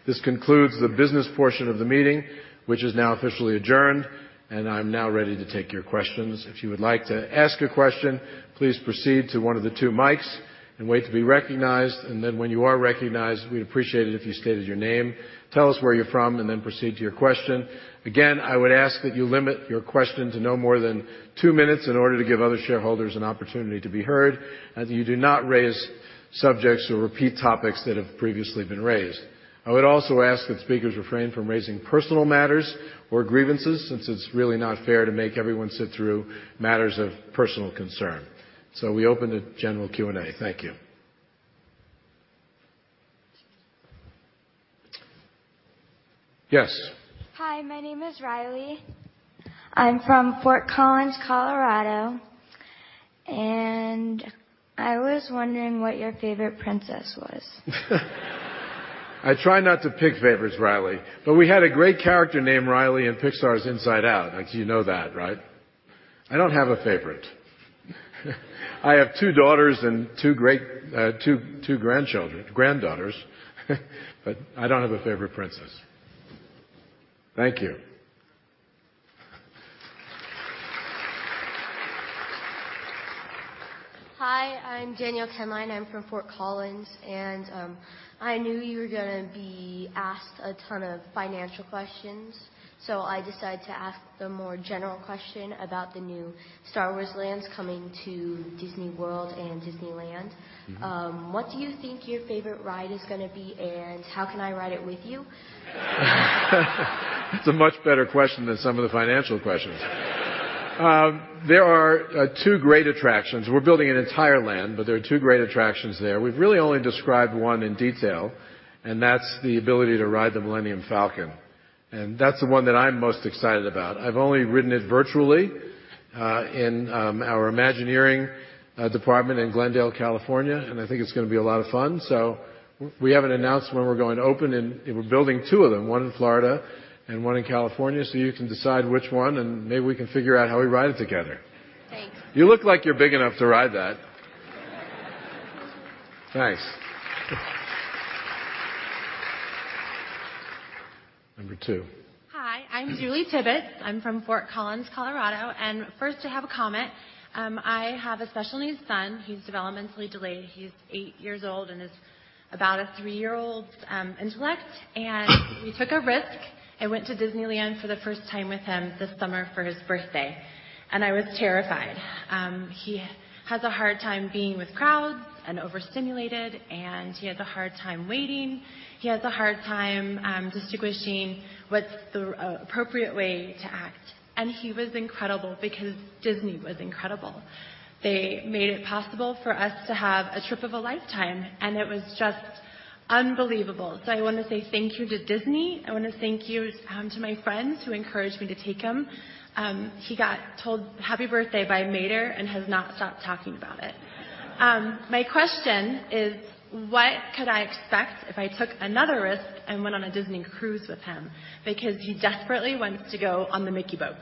This concludes the business portion of the meeting, which is now officially adjourned. I'm now ready to take your questions. If you would like to ask a question, please proceed to one of the two mics and wait to be recognized. When you are recognized, we'd appreciate it if you stated your name, tell us where you're from, and then proceed to your question. Again, I would ask that you limit your question to no more than two minutes in order to give other shareholders an opportunity to be heard, that you do not raise subjects or repeat topics that have previously been raised. I would also ask that speakers refrain from raising personal matters or grievances since it's really not fair to make everyone sit through matters of personal concern. We open to general Q&A. Thank you. Yes. Hi, my name is Riley. I'm from Fort Collins, Colorado. I was wondering what your favorite princess was. I try not to pick favorites, Riley. We had a great character named Riley in Pixar's "Inside Out." You know that, right? I don't have a favorite. I have two daughters and two granddaughters. I don't have a favorite princess. Thank you. Hi, I'm Danielle Kenline. I'm from Fort Collins, so I decided to ask the more general question about the new Star Wars lands coming to Disney World and Disneyland. What do you think your favorite ride is gonna be, and how can I ride it with you? That's a much better question than some of the financial questions. There are two great attractions. We're building an entire land, but there are two great attractions there. We've really only described one in detail, and that's the ability to ride the Millennium Falcon. That's the one that I'm most excited about. I've only ridden it virtually in our Imagineering department in Glendale, California, and I think it's gonna be a lot of fun. We haven't announced when we're going to open, and we're building two of them, one in Florida and one in California. You can decide which one, and maybe we can figure out how we ride it together. Thanks. You look like you're big enough to ride that. Thanks. Number 2. I'm Julie Tibbetts. I'm from Fort Collins, Colorado. First I have a comment. I have a special needs son. He's developmentally delayed. He's eight years old and is about a three-year-old's intellect. We took a risk and went to Disneyland for the first time with him this summer for his birthday, and I was terrified. He has a hard time being with crowds and overstimulated, and he has a hard time waiting. He has a hard time distinguishing what's the appropriate way to act. He was incredible because Disney was incredible. They made it possible for us to have a trip of a lifetime, and it was just unbelievable. I want to say thank you to Disney. I want to thank you to my friends who encouraged me to take him. He got told happy birthday by Mater and has not stopped talking about it. My question is, what could I expect if I took another risk and went on a Disney cruise with him? He desperately wants to go on the Mickey boat.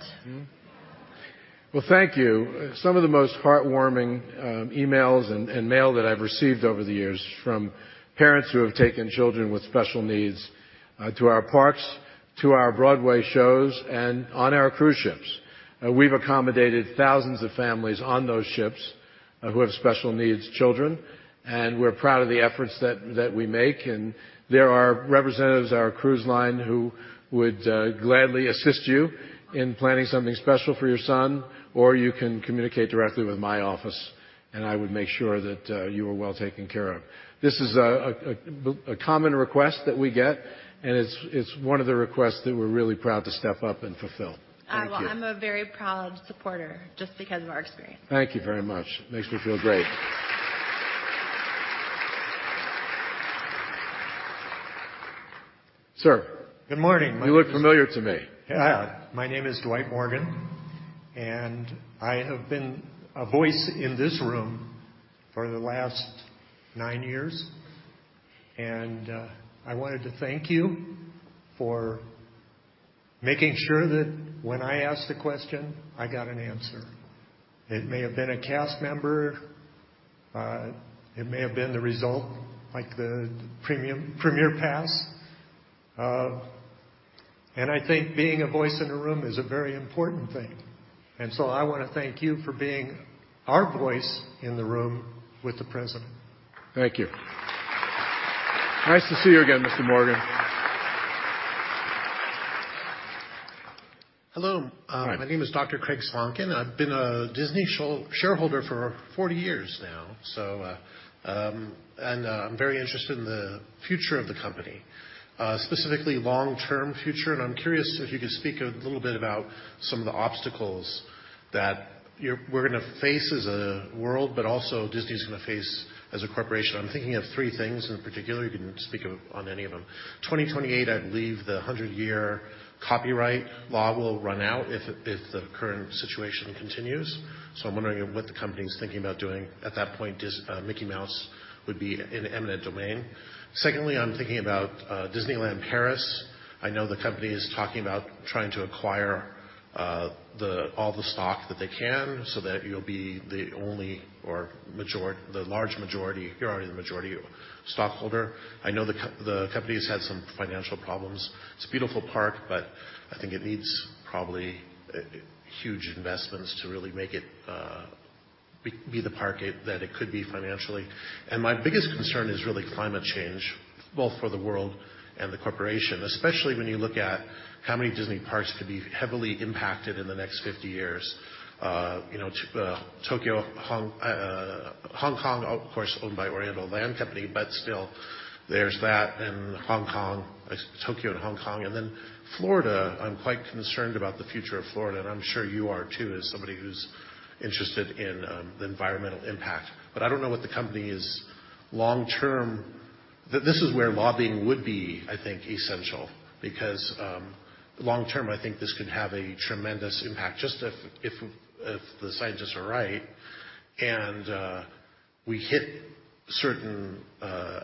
Well, thank you. Some of the most heartwarming emails and mail that I've received over the years is from parents who have taken children with special needs to our parks, to our Broadway shows, and on our cruise ships. We've accommodated thousands of families on those ships who have special needs children, and we're proud of the efforts that we make. There are representatives at our cruise line who would gladly assist you in planning something special for your son, or you can communicate directly with my office, and I would make sure that you are well taken care of. This is a common request that we get, and it's one of the requests that we're really proud to step up and fulfill. Thank you. I'm a very proud supporter just because of our experience. Thank you very much. Makes me feel great. Sir. Good morning. You look familiar to me. Yeah. My name is Dwight Morgan, and I have been a voice in this room for the last nine years, and I wanted to thank you for making sure that when I asked a question, I got an answer. It may have been a cast member. It may have been the result, like the Premier Pass. I think being a voice in a room is a very important thing. I want to thank you for being our voice in the room with the President. Thank you. Nice to see you again, Mr. Morgan. Hello. Hi. My name is Dr. Craig Swonkin. I've been a Disney shareholder for 40 years now. I'm very interested in the future of the company, specifically long-term future. I'm curious if you could speak a little bit about some of the obstacles that we're going to face as a world, but also Disney's going to face as a corporation. I'm thinking of three things in particular. You can speak on any of them. 2028, I believe the 100-year copyright law will run out if the current situation continues. I'm wondering what the company's thinking about doing at that point. Mickey Mouse would be in eminent domain. Secondly, I'm thinking about Disneyland Paris. I know the company is talking about trying to acquire all the stock that they can so that you'll be the only or the large majority, you're already the majority stockholder. I know the company's had some financial problems. It's a beautiful park, but I think it needs probably huge investments to really make it be the park that it could be financially. My biggest concern is really climate change, both for the world and the corporation, especially when you look at how many Disney parks could be heavily impacted in the next 50 years. Tokyo, Hong Kong, of course, owned by Oriental Land Company, but still there's that in Hong Kong, Tokyo and Hong Kong. Florida, I'm quite concerned about the future of Florida, and I'm sure you are too, as somebody who's interested in the environmental impact. This is where lobbying would be, I think, essential because, long-term, I think this could have a tremendous impact. Just if the scientists are right and we hit certain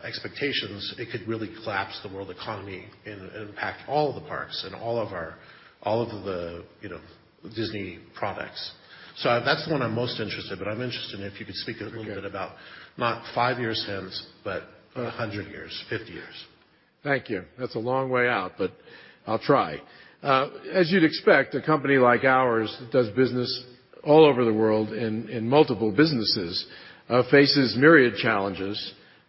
expectations, it could really collapse the world economy and impact all of the parks and all of the Disney products. That's the one I'm most interested in, but I'm interested if you could speak a little bit about not five years hence, but 100 years, 50 years. Thank you. That's a long way out, but I'll try. As you'd expect, a company like ours that does business all over the world in multiple businesses faces myriad challenges.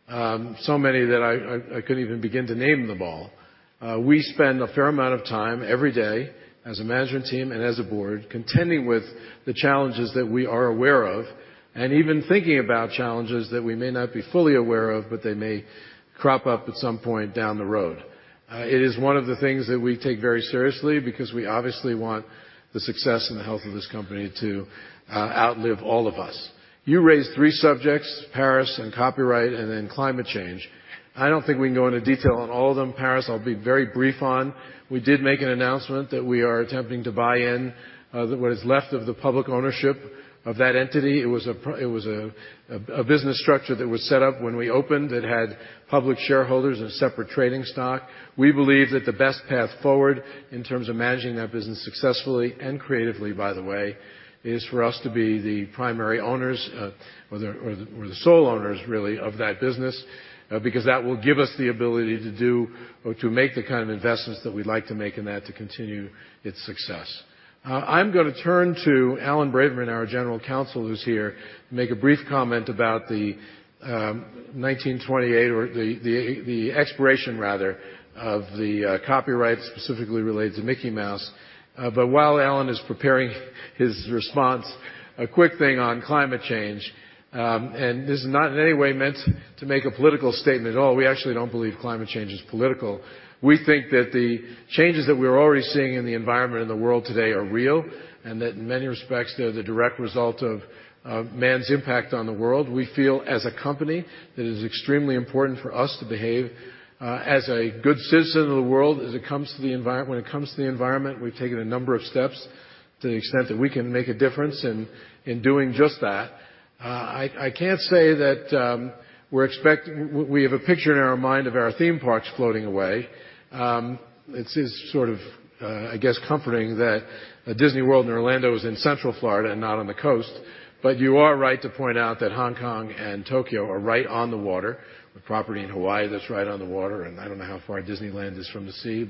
Many that I couldn't even begin to name them all. We spend a fair amount of time every day as a management team and as a board contending with the challenges that we are aware of and even thinking about challenges that we may not be fully aware of, but they may crop up at some point down the road. It is one of the things that we take very seriously because we obviously want the success and the health of this company to outlive all of us. You raised three subjects, Paris, and copyright, and then climate change. I don't think we can go into detail on all of them. Paris, I'll be very brief on. We did make an announcement that we are attempting to buy in what is left of the public ownership of that entity. It was a business structure that was set up when we opened. It had public shareholders and separate trading stock. We believe that the best path forward in terms of managing that business successfully and creatively, by the way, is for us to be the primary owners, or the sole owners, really, of that business because that will give us the ability to do or to make the kind of investments that we'd like to make in that to continue its success. I'm going to turn to Alan Braverman, our General Counsel, who's here, to make a brief comment about the 1928 or the expiration, rather, of the copyright specifically related to Mickey Mouse. While Alan is preparing his response, a quick thing on climate change. This is not in any way meant to make a political statement at all. We actually don't believe climate change is political. We think that the changes that we're already seeing in the environment in the world today are real, and that in many respects, they're the direct result of man's impact on the world. We feel, as a company, that it is extremely important for us to behave as a good citizen of the world when it comes to the environment. We've taken a number of steps to the extent that we can make a difference in doing just that. I can't say that we have a picture in our mind of our theme parks floating away. It is sort of, I guess comforting that a Disney World in Orlando is in Central Florida and not on the coast. You are right to point out that Hong Kong and Tokyo are right on the water, with property in Hawaii that's right on the water, and I don't know how far Disneyland is from the sea.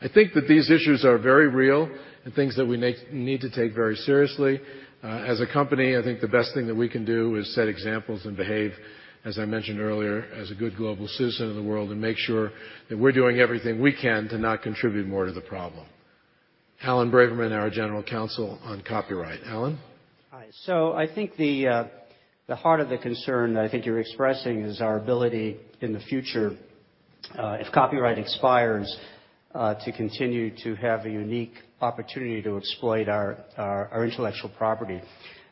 I think that these issues are very real and things that we need to take very seriously. As a company, I think the best thing that we can do is set examples and behave, as I mentioned earlier, as a good global citizen of the world and make sure that we're doing everything we can to not contribute more to the problem. Alan Braverman, our General Counsel on copyright. Alan. Hi. I think the heart of the concern that I think you're expressing is our ability in the future, if copyright expires, to continue to have a unique opportunity to exploit our intellectual property.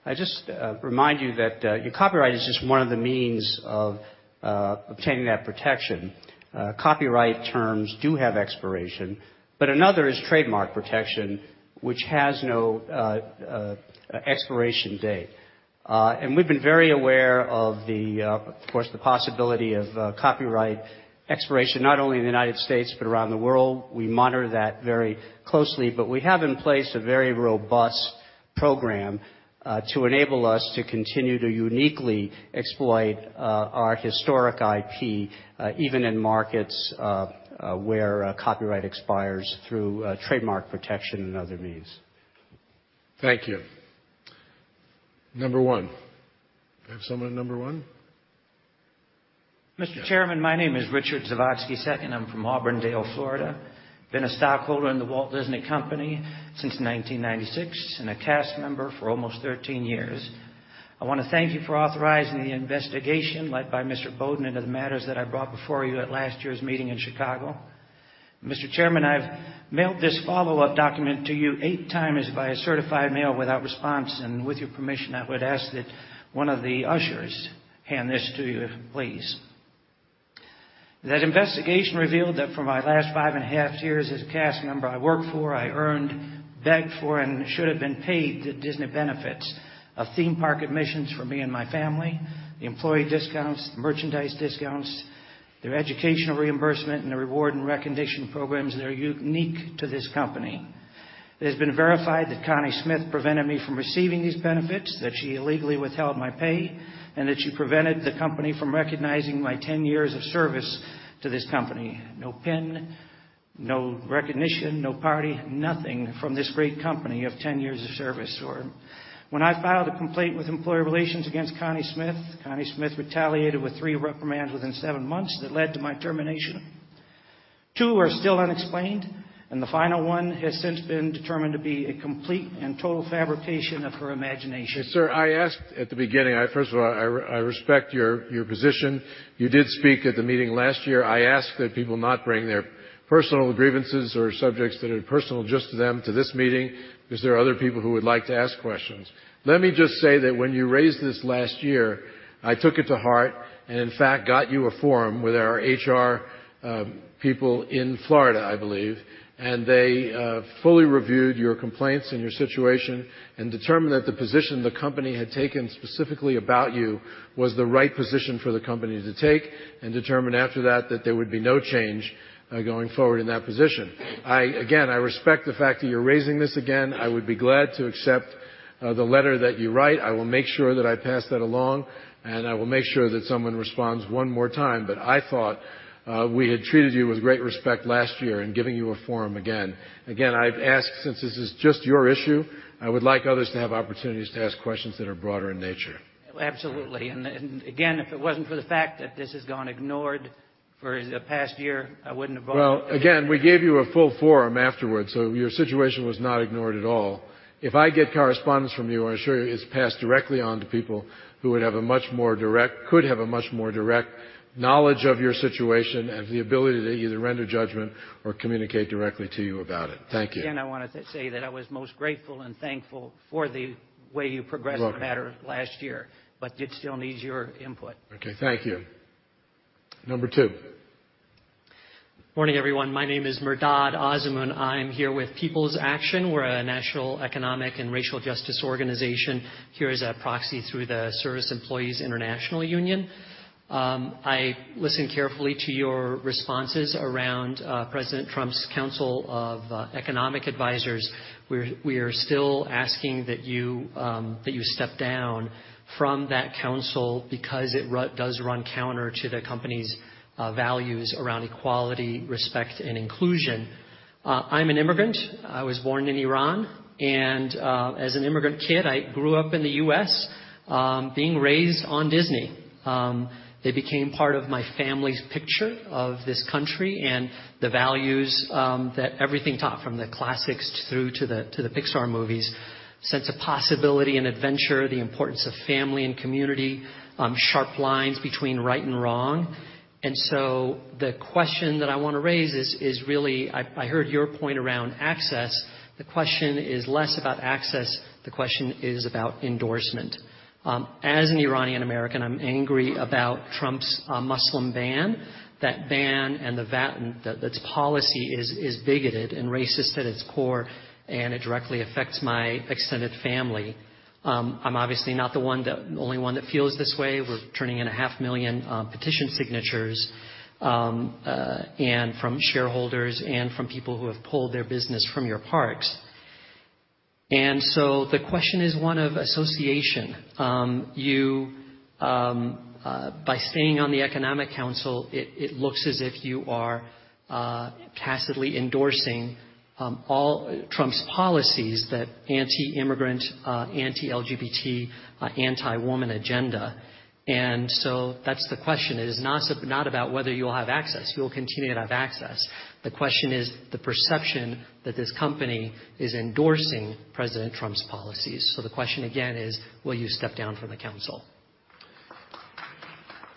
I'd just remind you that your copyright is just one of the means of obtaining that protection. Copyright terms do have expiration, but another is trademark protection, which has no expiration date. We've been very aware of the, of course, the possibility of copyright expiration, not only in the U.S. but around the world. We monitor that very closely. We have in place a very robust program to enable us to continue to uniquely exploit our historic IP, even in markets where copyright expires through trademark protection and other means. Thank you. Number one. Do I have someone at number one? Mr. Chairman, my name is Richard Zavatsky II, and I'm from Auburndale, Florida. Been a stockholder in The Walt Disney Company since 1996 and a cast member for almost 13 years. I want to thank you for authorizing the investigation led by Mr. Boden into the matters that I brought before you at last year's meeting in Chicago. Mr. Chairman, I've mailed this follow-up document to you eight times via certified mail without response, and with your permission, I would ask that one of the ushers hand this to you, please. That investigation revealed that for my last five and a half years as a cast member, I worked for, I earned, begged for, and should have been paid the Disney benefits of theme park admissions for me and my family, the employee discounts, the merchandise discounts, their educational reimbursement, and the reward and recognition programs that are unique to this company. It has been verified that Connie Smith prevented me from receiving these benefits, that she illegally withheld my pay, and that she prevented the company from recognizing my 10 years of service to this company. No pin, no recognition, no party, nothing from this great company of 10 years of service. When I filed a complaint with Employee Relations against Connie Smith, Connie Smith retaliated with three reprimands within seven months that led to my termination. Two are still unexplained, and the final one has since been determined to be a complete and total fabrication of her imagination. Sir, I asked at the beginning. First of all, I respect your position. You did speak at the meeting last year. I ask that people not bring their personal grievances or subjects that are personal just to them to this meeting because there are other people who would like to ask questions. Let me just say that when you raised this last year, I took it to heart and, in fact, got you a forum with our HR people in Florida, I believe. They fully reviewed your complaints and your situation and determined that the position the company had taken specifically about you was the right position for the company to take and determined after that that there would be no change going forward in that position. Again, I respect the fact that you're raising this again. I would be glad to accept the letter that you write. I will make sure that I pass that along, and I will make sure that someone responds one more time. I thought we had treated you with great respect last year in giving you a forum again. Again, I've asked, since this is just your issue, I would like others to have opportunities to ask questions that are broader in nature. Absolutely. If it wasn't for the fact that this has gone ignored for the past year, I wouldn't have bothered. Well, again, we gave you a full forum afterwards, so your situation was not ignored at all. If I get correspondence from you, I assure you it's passed directly on to people who could have a much more direct knowledge of your situation and have the ability to either render judgment or communicate directly to you about it. Thank you. Again, I want to say that I was most grateful and thankful for the way you progressed- You're welcome. The matter last year, but it still needs your input. Okay, thank you. Number 2. Morning, everyone. My name is Mehrdad Azemun. I'm here with People's Action. We're a national economic and racial justice organization here as a proxy through the Service Employees International Union. I listened carefully to your responses around President Trump's Council of Economic Advisors. We are still asking that you step down from that council because it does run counter to the company's values around equality, respect, and inclusion. I'm an immigrant. I was born in Iran. As an immigrant kid, I grew up in the U.S. being raised on Disney. They became part of my family's picture of this country and the values that everything taught from the classics through to the Pixar movies, sense of possibility and adventure, the importance of family and community, sharp lines between right and wrong. The question that I want to raise is really I heard your point around access. The question is less about access. The question is about endorsement. As an Iranian American, I'm angry about Trump's Muslim ban. That ban and that policy is bigoted and racist at its core, and it directly affects my extended family. I'm obviously not the only one that feels this way. We're turning in a half million petition signatures from shareholders and from people who have pulled their business from your parks. The question is one of association. By staying on the economic council, it looks as if you are tacitly endorsing all Trump's policies that anti-immigrant, anti-LGBT, anti-woman agenda. That's the question. It is not about whether you will have access. You will continue to have access. The question is the perception that this company is endorsing President Trump's policies. The question again is, will you step down from the council?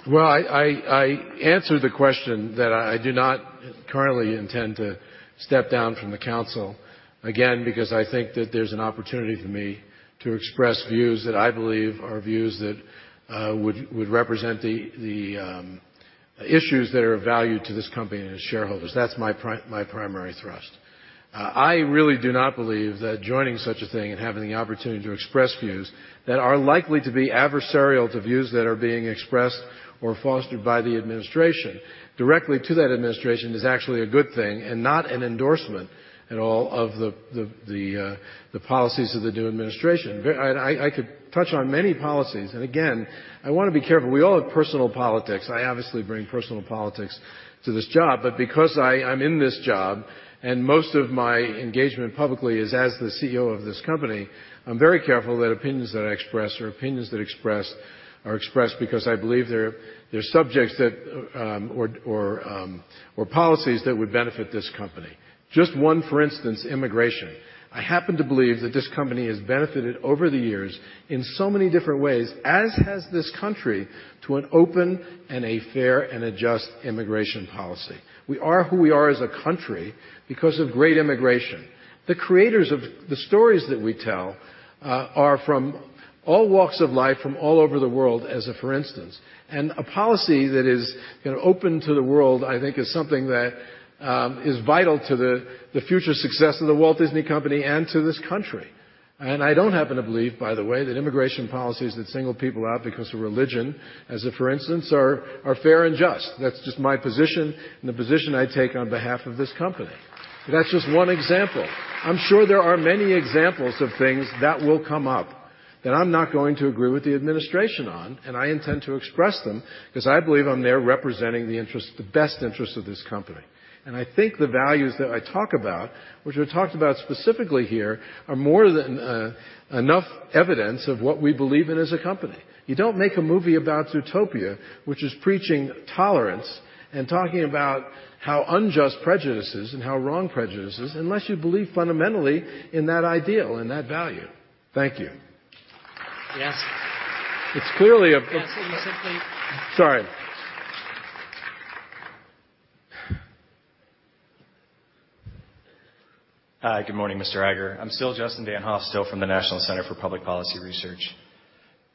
Well, I answered the question that I do not currently intend to step down from the council, again, because I think that there's an opportunity for me to express views that I believe are views that would represent the issues that are of value to this company and its shareholders. That's my primary thrust. I really do not believe that joining such a thing and having the opportunity to express views that are likely to be adversarial to views that are being expressed or fostered by the administration directly to that administration is actually a good thing and not an endorsement at all of the policies of the new administration. I could touch on many policies. Again, I want to be careful. We all have personal politics. I obviously bring personal politics to this job. Because I'm in this job and most of my engagement publicly is as the CEO of this company, I'm very careful that opinions that I express are opinions that are expressed because I believe they're subjects or policies that would benefit this company. Just one, for instance, immigration. I happen to believe that this company has benefited over the years in so many different ways, as has this country, to an open and a fair and a just immigration policy. We are who we are as a country because of great immigration. The creators of the stories that we tell are from all walks of life, from all over the world, as a for instance, a policy that is open to the world, I think, is something that is vital to the future success of The Walt Disney Company and to this country. I don't happen to believe, by the way, that immigration policies that single people out because of religion, as a for instance, are fair and just. That's just my position and the position I take on behalf of this company. That's just one example. I'm sure there are many examples of things that will come up that I'm not going to agree with the administration on, and I intend to express them because I believe I'm there representing the best interests of this company. I think the values that I talk about, which are talked about specifically here, are more than enough evidence of what we believe in as a company. You don't make a movie about Zootopia, which is preaching tolerance and talking about how unjust prejudice is and how wrong prejudice is, unless you believe fundamentally in that ideal and that value. Thank you. Yes. It's clearly a. Yes, you simply. Sorry. Hi. Good morning, Mr. Iger. I'm still Justin Danhof, still from the National Center for Public Policy Research.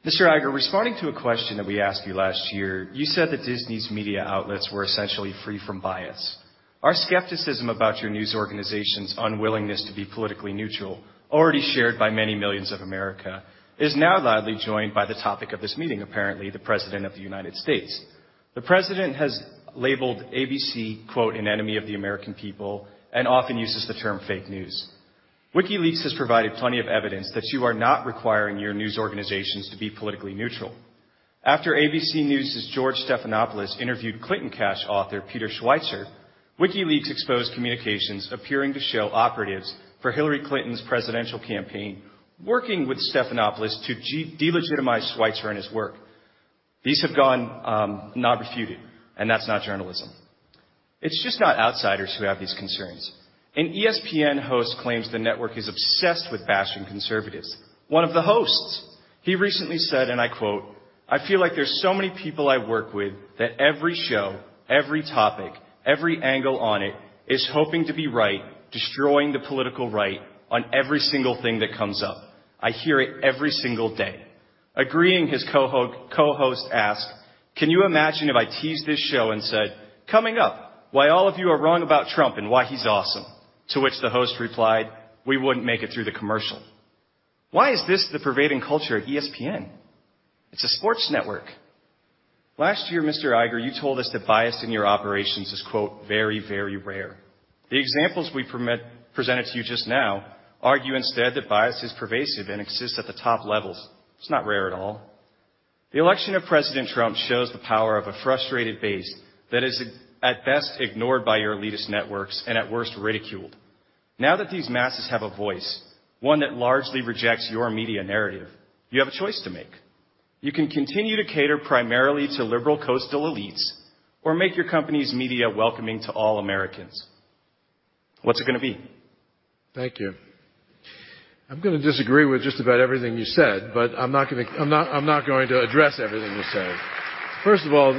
Mr. Iger, responding to a question that we asked you last year, you said that Disney's media outlets were essentially free from bias. Our skepticism about your news organization's unwillingness to be politically neutral, already shared by many millions of America, is now loudly joined by the topic of this meeting, apparently the President of the U.S. The President has labeled ABC, quote, "an enemy of the American people," and often uses the term fake news. WikiLeaks has provided plenty of evidence that you are not requiring your news organizations to be politically neutral. After ABC News' George Stephanopoulos interviewed Clinton Cash author Peter Schweizer, WikiLeaks exposed communications appearing to show operatives for Hillary Clinton's presidential campaign working with Stephanopoulos to delegitimize Schweizer and his work. These have gone not refuted, that's not journalism. It's just not outsiders who have these concerns. An ESPN host claims the network is obsessed with bashing conservatives. One of the hosts, he recently said, I quote, "I feel like there's so many people I work with that every show, every topic, every angle on it is hoping to be right, destroying the political right on every single thing that comes up. I hear it every single day." Agreeing, his co-host asked, "Can you imagine if I teased this show and said, 'Coming up, why all of you are wrong about Trump and why he's awesome?'" To which the host replied, "We wouldn't make it through the commercial." Why is this the pervading culture at ESPN? It's a sports network. Last year, Mr. Iger, you told us that bias in your operations is, quote, "very, very rare." The examples we presented to you just now argue instead that bias is pervasive and exists at the top levels. It's not rare at all. The election of President Trump shows the power of a frustrated base that is at best ignored by your elitist networks, and at worst ridiculed. That these masses have a voice, one that largely rejects your media narrative, you have a choice to make. You can continue to cater primarily to liberal coastal elites or make your company's media welcoming to all Americans. What's it going to be? Thank you. I'm going to disagree with just about everything you said, I'm not going to address everything you said. First of all,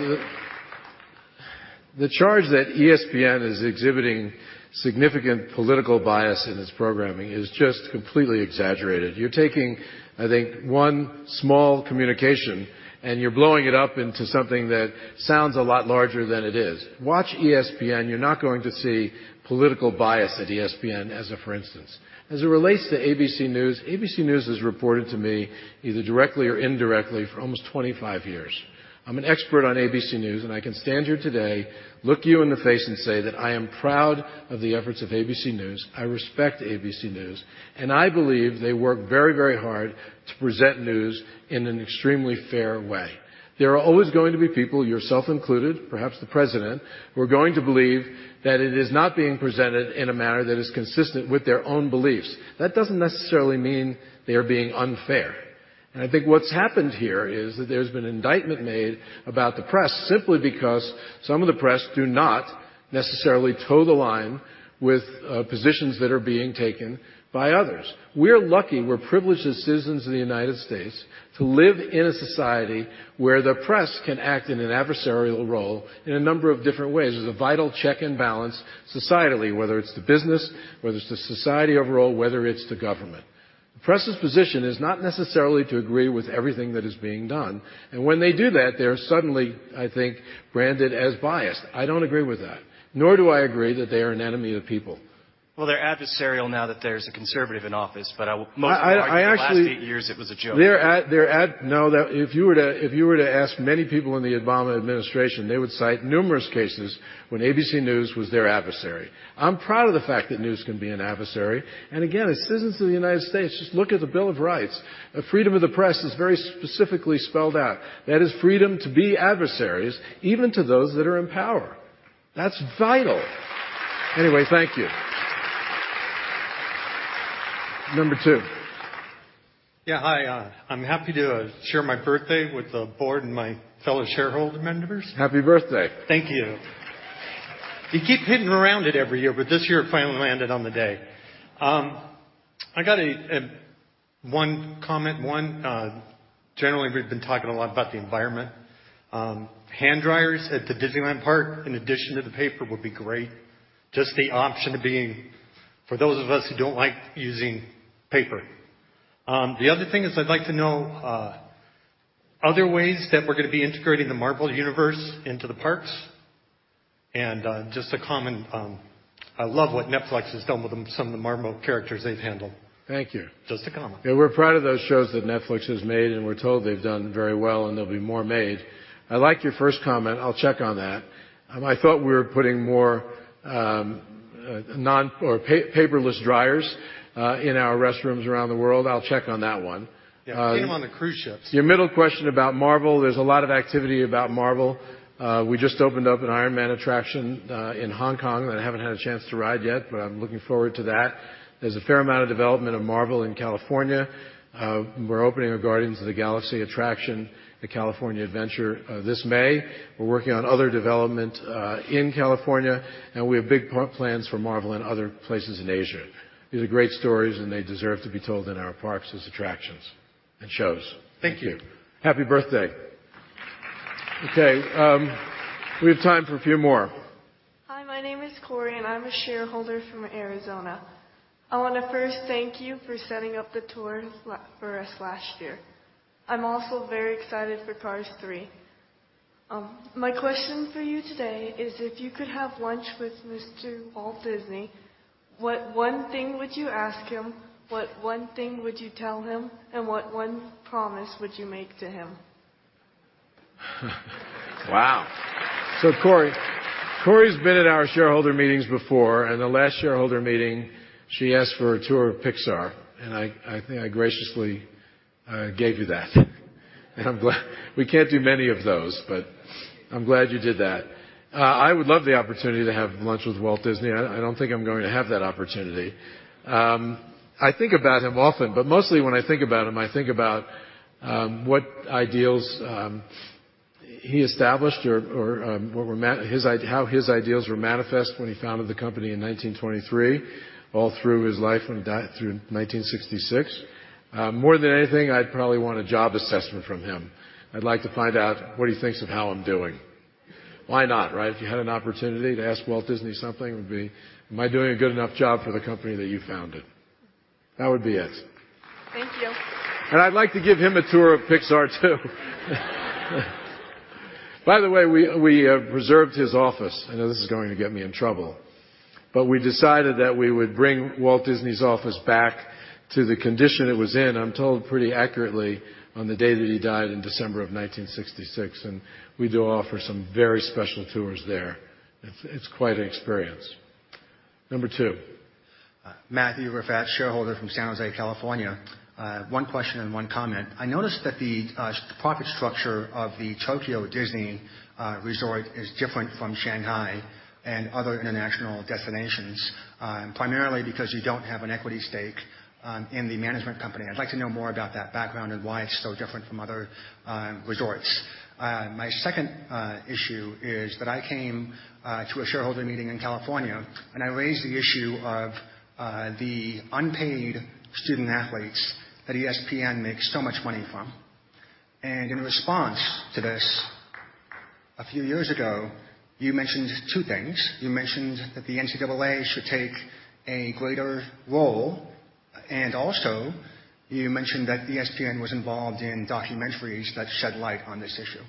the charge that ESPN is exhibiting significant political bias in its programming is just completely exaggerated. You're taking, I think, one small communication and you're blowing it up into something that sounds a lot larger than it is. Watch ESPN, you're not going to see political bias at ESPN as a for instance. As it relates to ABC News, ABC News has reported to me either directly or indirectly for almost 25 years. I'm an expert on ABC News, I can stand here today, look you in the face and say that I am proud of the efforts of ABC News, I respect ABC News, I believe they work very, very hard to present news in an extremely fair way. There are always going to be people, yourself included, perhaps the President, who are going to believe that it is not being presented in a manner that is consistent with their own beliefs. That doesn't necessarily mean they are being unfair. I think what's happened here is that there's been indictment made about the press simply because some of the press do not necessarily toe the line with positions that are being taken by others. We're lucky, we're privileged as citizens of the United States to live in a society where the press can act in an adversarial role in a number of different ways, as a vital check and balance societally, whether it's the business, whether it's the society overall, whether it's the government. The press's position is not necessarily to agree with everything that is being done, and when they do that, they're suddenly, I think, branded as biased. I don't agree with that, nor do I agree that they are an enemy of the people. Well, they're adversarial now that there's a conservative in office. Most- I actually- of the last eight years, it was a joke. No. If you were to ask many people in the Obama administration, they would cite numerous cases when ABC News was their adversary. I'm proud of the fact that news can be an adversary. Again, as citizens of the United States, just look at the Bill of Rights. Freedom of the press is very specifically spelled out. That is freedom to be adversaries, even to those that are in power. That's vital. Anyway, thank you. Number two. Yeah, hi. I'm happy to share my birthday with the board and my fellow shareholder members. Happy birthday. Thank you. You keep hitting around it every year, but this year, it finally landed on the day. I got one comment. One, generally, we've been talking a lot about the environment. Hand dryers at the Disneyland Park in addition to the paper would be great. Just the option of being for those of us who don't like using paper. The other thing is I'd like to know other ways that we're going to be integrating the Marvel Universe into the parks. Just a comment, I love what Netflix has done with some of the Marvel characters they've handled. Thank you. Just a comment. Yeah, we're proud of those shows that Netflix has made, and we're told they've done very well, and there'll be more made. I like your first comment. I'll check on that. I thought we were putting more paperless dryers in our restrooms around the world. I'll check on that one. Yeah. We have them on the cruise ships. Your middle question about Marvel, there's a lot of activity about Marvel. We just opened up an Iron Man attraction in Hong Kong that I haven't had a chance to ride yet, but I'm looking forward to that. There's a fair amount of development of Marvel in California. We're opening a Guardians of the Galaxy attraction, the California Adventure, this May. We're working on other development in California, and we have big plans for Marvel in other places in Asia. These are great stories, and they deserve to be told in our parks as attractions and shows. Thank you. Happy birthday. Okay. We have time for a few more. Hi, my name is Corey. I'm a shareholder from Arizona. I want to first thank you for setting up the tour for us last year. I'm also very excited for "Cars 3." My question for you today is if you could have lunch with Mr. Walt Disney, what one thing would you ask him, what one thing would you tell him, and what one promise would you make to him? Wow. Corey's been at our shareholder meetings before. The last shareholder meeting, she asked for a tour of Pixar, and I think I graciously gave you that. I'm glad. We can't do many of those, but I'm glad you did that. I would love the opportunity to have lunch with Walt Disney. I don't think I'm going to have that opportunity. I think about him often, but mostly when I think about him, I think about what ideals he established or how his ideals were manifest when he founded the company in 1923, all through his life, when he died through 1966. More than anything, I'd probably want a job assessment from him. I'd like to find out what he thinks of how I'm doing. Why not, right? If you had an opportunity to ask Walt Disney something, it would be, "Am I doing a good enough job for the company that you founded?" That would be it. Thank you. I'd like to give him a tour of Pixar, too. By the way, we reserved his office. I know this is going to get me in trouble. We decided that we would bring Walt Disney's office back to the condition it was in, I'm told pretty accurately, on the day that he died in December of 1966, and we do offer some very special tours there. It's quite an experience. Number 2. Matthew Rafat, shareholder from San Jose, California. One question and one comment. I noticed that the profit structure of the Tokyo Disney Resort is different from Shanghai and other international destinations, primarily because you don't have an equity stake in the management company. I'd like to know more about that background and why it's so different from other resorts. My second issue is that I came to a shareholder meeting in California, and I raised the issue of the unpaid student-athletes that ESPN makes so much money from. In response to this, a few years ago, you mentioned two things. You mentioned that the NCAA should take a greater role, and also, you mentioned that ESPN was involved in documentaries that shed light on this issue.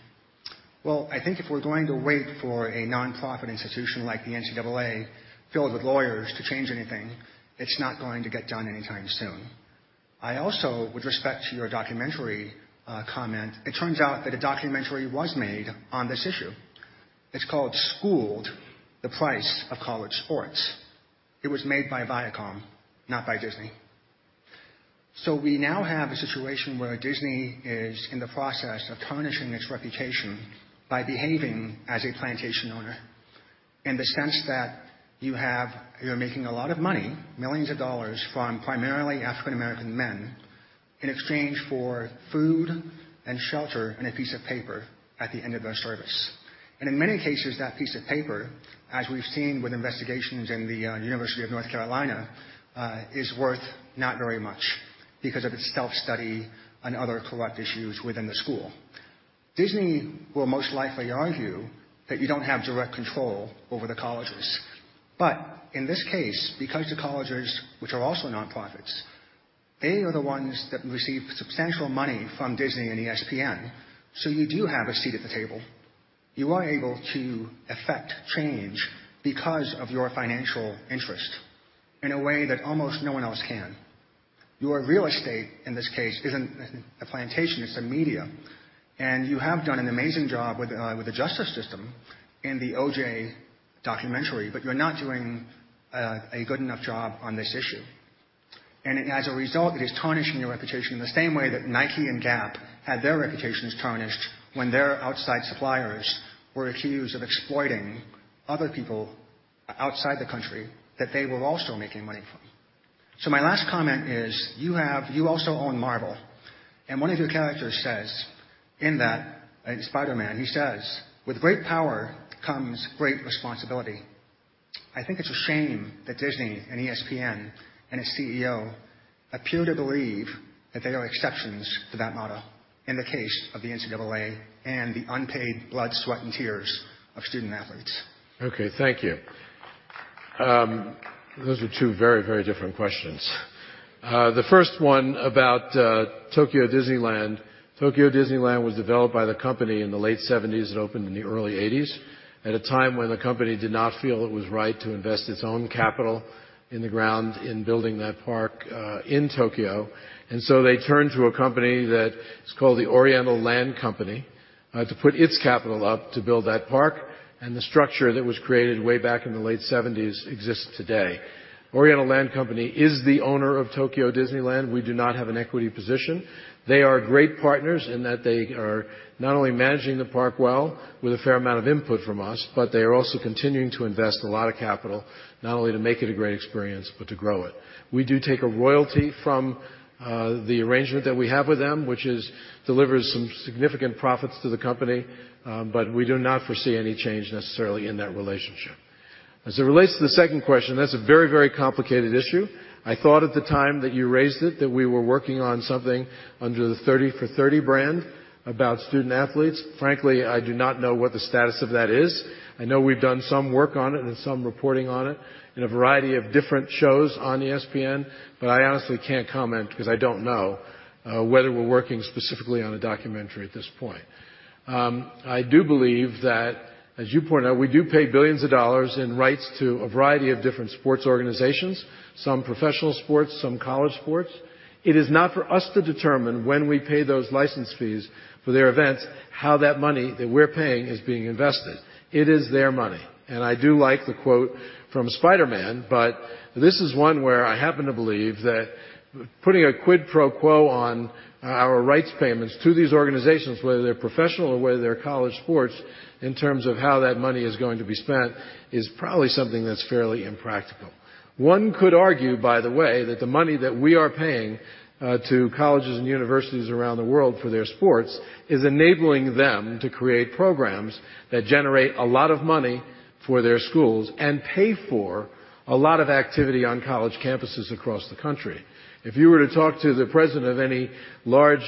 Well, I think if we're going to wait for a non-profit institution like the NCAA filled with lawyers to change anything, it's not going to get done anytime soon. I also, with respect to your documentary comment, it turns out that a documentary was made on this issue. It's called "Schooled: The Price of College Sports." It was made by Viacom, not by Disney. We now have a situation where Disney is in the process of tarnishing its reputation by behaving as a plantation owner. You're making a lot of money, millions of dollars from primarily African American men in exchange for food and shelter and a piece of paper at the end of their service. In many cases, that piece of paper, as we've seen with investigations in the University of North Carolina, is worth not very much because of its self-study and other corrupt issues within the school. Disney will most likely argue that you don't have direct control over the colleges. In this case, because the colleges, which are also non-profits, they are the ones that receive substantial money from Disney and ESPN, you do have a seat at the table. You are able to effect change because of your financial interest in a way that almost no one else can. Your real estate in this case isn't a plantation, it's a media. You have done an amazing job with the justice system in the O.J. documentary, you're not doing a good enough job on this issue. As a result, it is tarnishing your reputation in the same way that Nike and Gap had their reputations tarnished when their outside suppliers were accused of exploiting other people outside the country that they were also making money from. My last comment is, you also own Marvel, and one of your characters says in that, Spider-Man, he says, "With great power comes great responsibility." I think it is a shame that Disney and ESPN and its CEO appear to believe that they are exceptions to that motto in the case of the NCAA and the unpaid blood, sweat, and tears of student athletes. Okay, thank you. Those are two very different questions. The first one about Tokyo Disneyland. Tokyo Disneyland was developed by the company in the late 1970s. It opened in the early 1980s at a time when the company did not feel it was right to invest its own capital in the ground in building that park in Tokyo. They turned to a company that is called the Oriental Land Company to put its capital up to build that park, and the structure that was created way back in the late 1970s exists today. Oriental Land Company is the owner of Tokyo Disneyland. We do not have an equity position. They are great partners in that they are not only managing the park well with a fair amount of input from us, but they are also continuing to invest a lot of capital, not only to make it a great experience, but to grow it. We do take a royalty from the arrangement that we have with them, which delivers some significant profits to the company, but we do not foresee any change necessarily in that relationship. As it relates to the second question, that is a very complicated issue. I thought at the time that you raised it that we were working on something under the 30 for 30 brand about student athletes. Frankly, I do not know what the status of that is. I know we have done some work on it and some reporting on it in a variety of different shows on ESPN, but I honestly cannot comment because I do not know whether we are working specifically on a documentary at this point. I do believe that, as you point out, we do pay billions of dollars in rights to a variety of different sports organizations, some professional sports, some college sports. It is not for us to determine when we pay those license fees for their events how that money that we are paying is being invested. It is their money. I do like the quote from Spider-Man, but this is one where I happen to believe that putting a quid pro quo on our rights payments to these organizations, whether they're professional or whether they're college sports, in terms of how that money is going to be spent, is probably something that's fairly impractical. One could argue, by the way, that the money that we are paying to colleges and universities around the world for their sports is enabling them to create programs that generate a lot of money for their schools and pay for a lot of activity on college campuses across the country. If you were to talk to the president of any large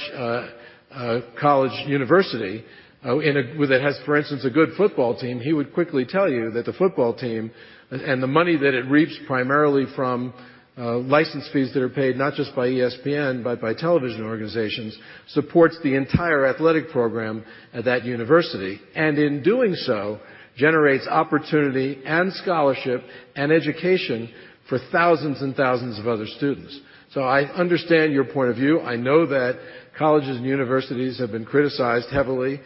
college university that has, for instance, a good football team, he would quickly tell you that the football team and the money that it reaps primarily from license fees that are paid not just by ESPN, but by television organizations, supports the entire athletic program at that university. In doing so, generates opportunity and scholarship and education for thousands and thousands of other students. I understand your point of view. I know that colleges and universities have been criticized heavily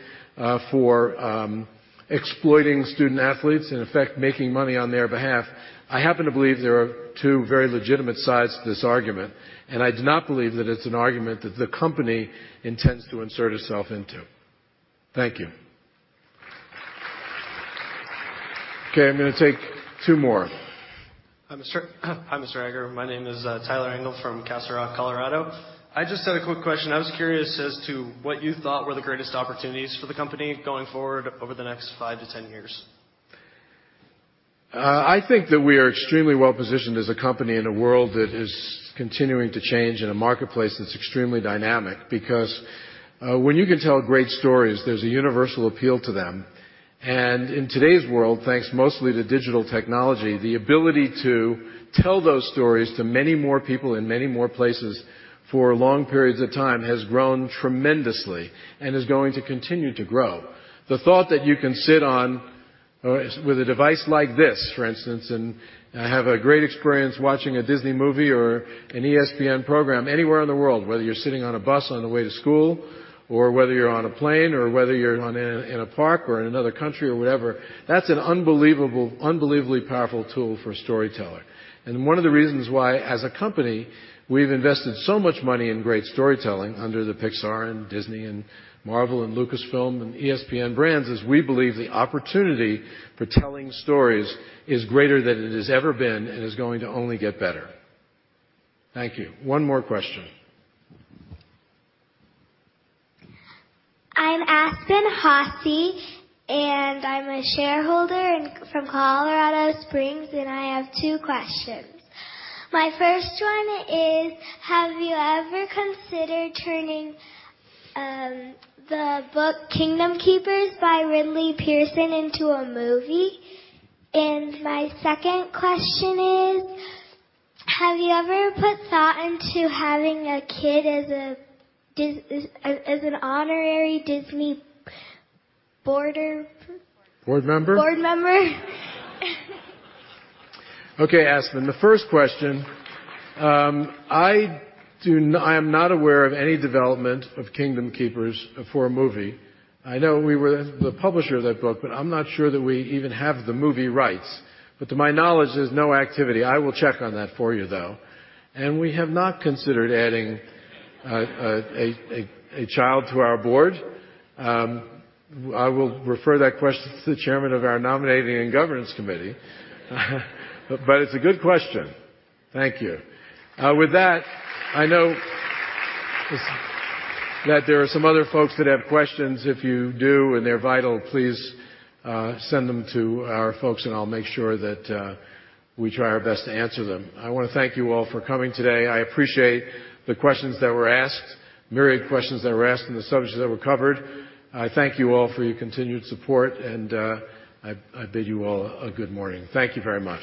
for exploiting student athletes, in effect, making money on their behalf. I happen to believe there are two very legitimate sides to this argument, and I do not believe that it's an argument that the company intends to insert itself into. Thank you. Okay, I'm going to take two more. Hi, Mr. Iger. My name is Tyler Engel from Castle Rock, Colorado. I just had a quick question. I was curious as to what you thought were the greatest opportunities for the company going forward over the next 5 to 10 years. I think that we are extremely well-positioned as a company in a world that is continuing to change in a marketplace that's extremely dynamic. When you can tell great stories, there's a universal appeal to them. In today's world, thanks mostly to digital technology, the ability to tell those stories to many more people in many more places for long periods of time has grown tremendously and is going to continue to grow. The thought that you can sit on with a device like this, for instance, and have a great experience watching a Disney movie or an ESPN program anywhere in the world, whether you're sitting on a bus on the way to school or whether you're on a plane or whether you're in a park or in another country or whatever, that's an unbelievably powerful tool for storytelling. One of the reasons why, as a company, we've invested so much money in great storytelling under the Pixar and Disney and Marvel and Lucasfilm and ESPN brands is we believe the opportunity for telling stories is greater than it has ever been and is going to only get better. Thank you. One more question. I'm Aspen Hossie, and I'm a shareholder from Colorado Springs, I have two questions. My first one is, have you ever considered turning the book "Kingdom Keepers" by Ridley Pearson into a movie? My second question is, have you ever put thought into having a kid as an honorary Disney boarder- Board member? Board member. Okay, Aspen. The first question, I am not aware of any development of Kingdom Keepers for a movie. I know we were the publisher of that book, but I'm not sure that we even have the movie rights. To my knowledge, there's no activity. I will check on that for you, though. We have not considered adding a child to our board. I will refer that question to the chairman of our nominating and governance committee. It's a good question. Thank you. With that, I know that there are some other folks that have questions. If you do, and they're vital, please send them to our folks, and I'll make sure that we try our best to answer them. I want to thank you all for coming today. I appreciate the questions that were asked, myriad questions that were asked, and the subjects that were covered. I thank you all for your continued support. I bid you all a good morning. Thank you very much.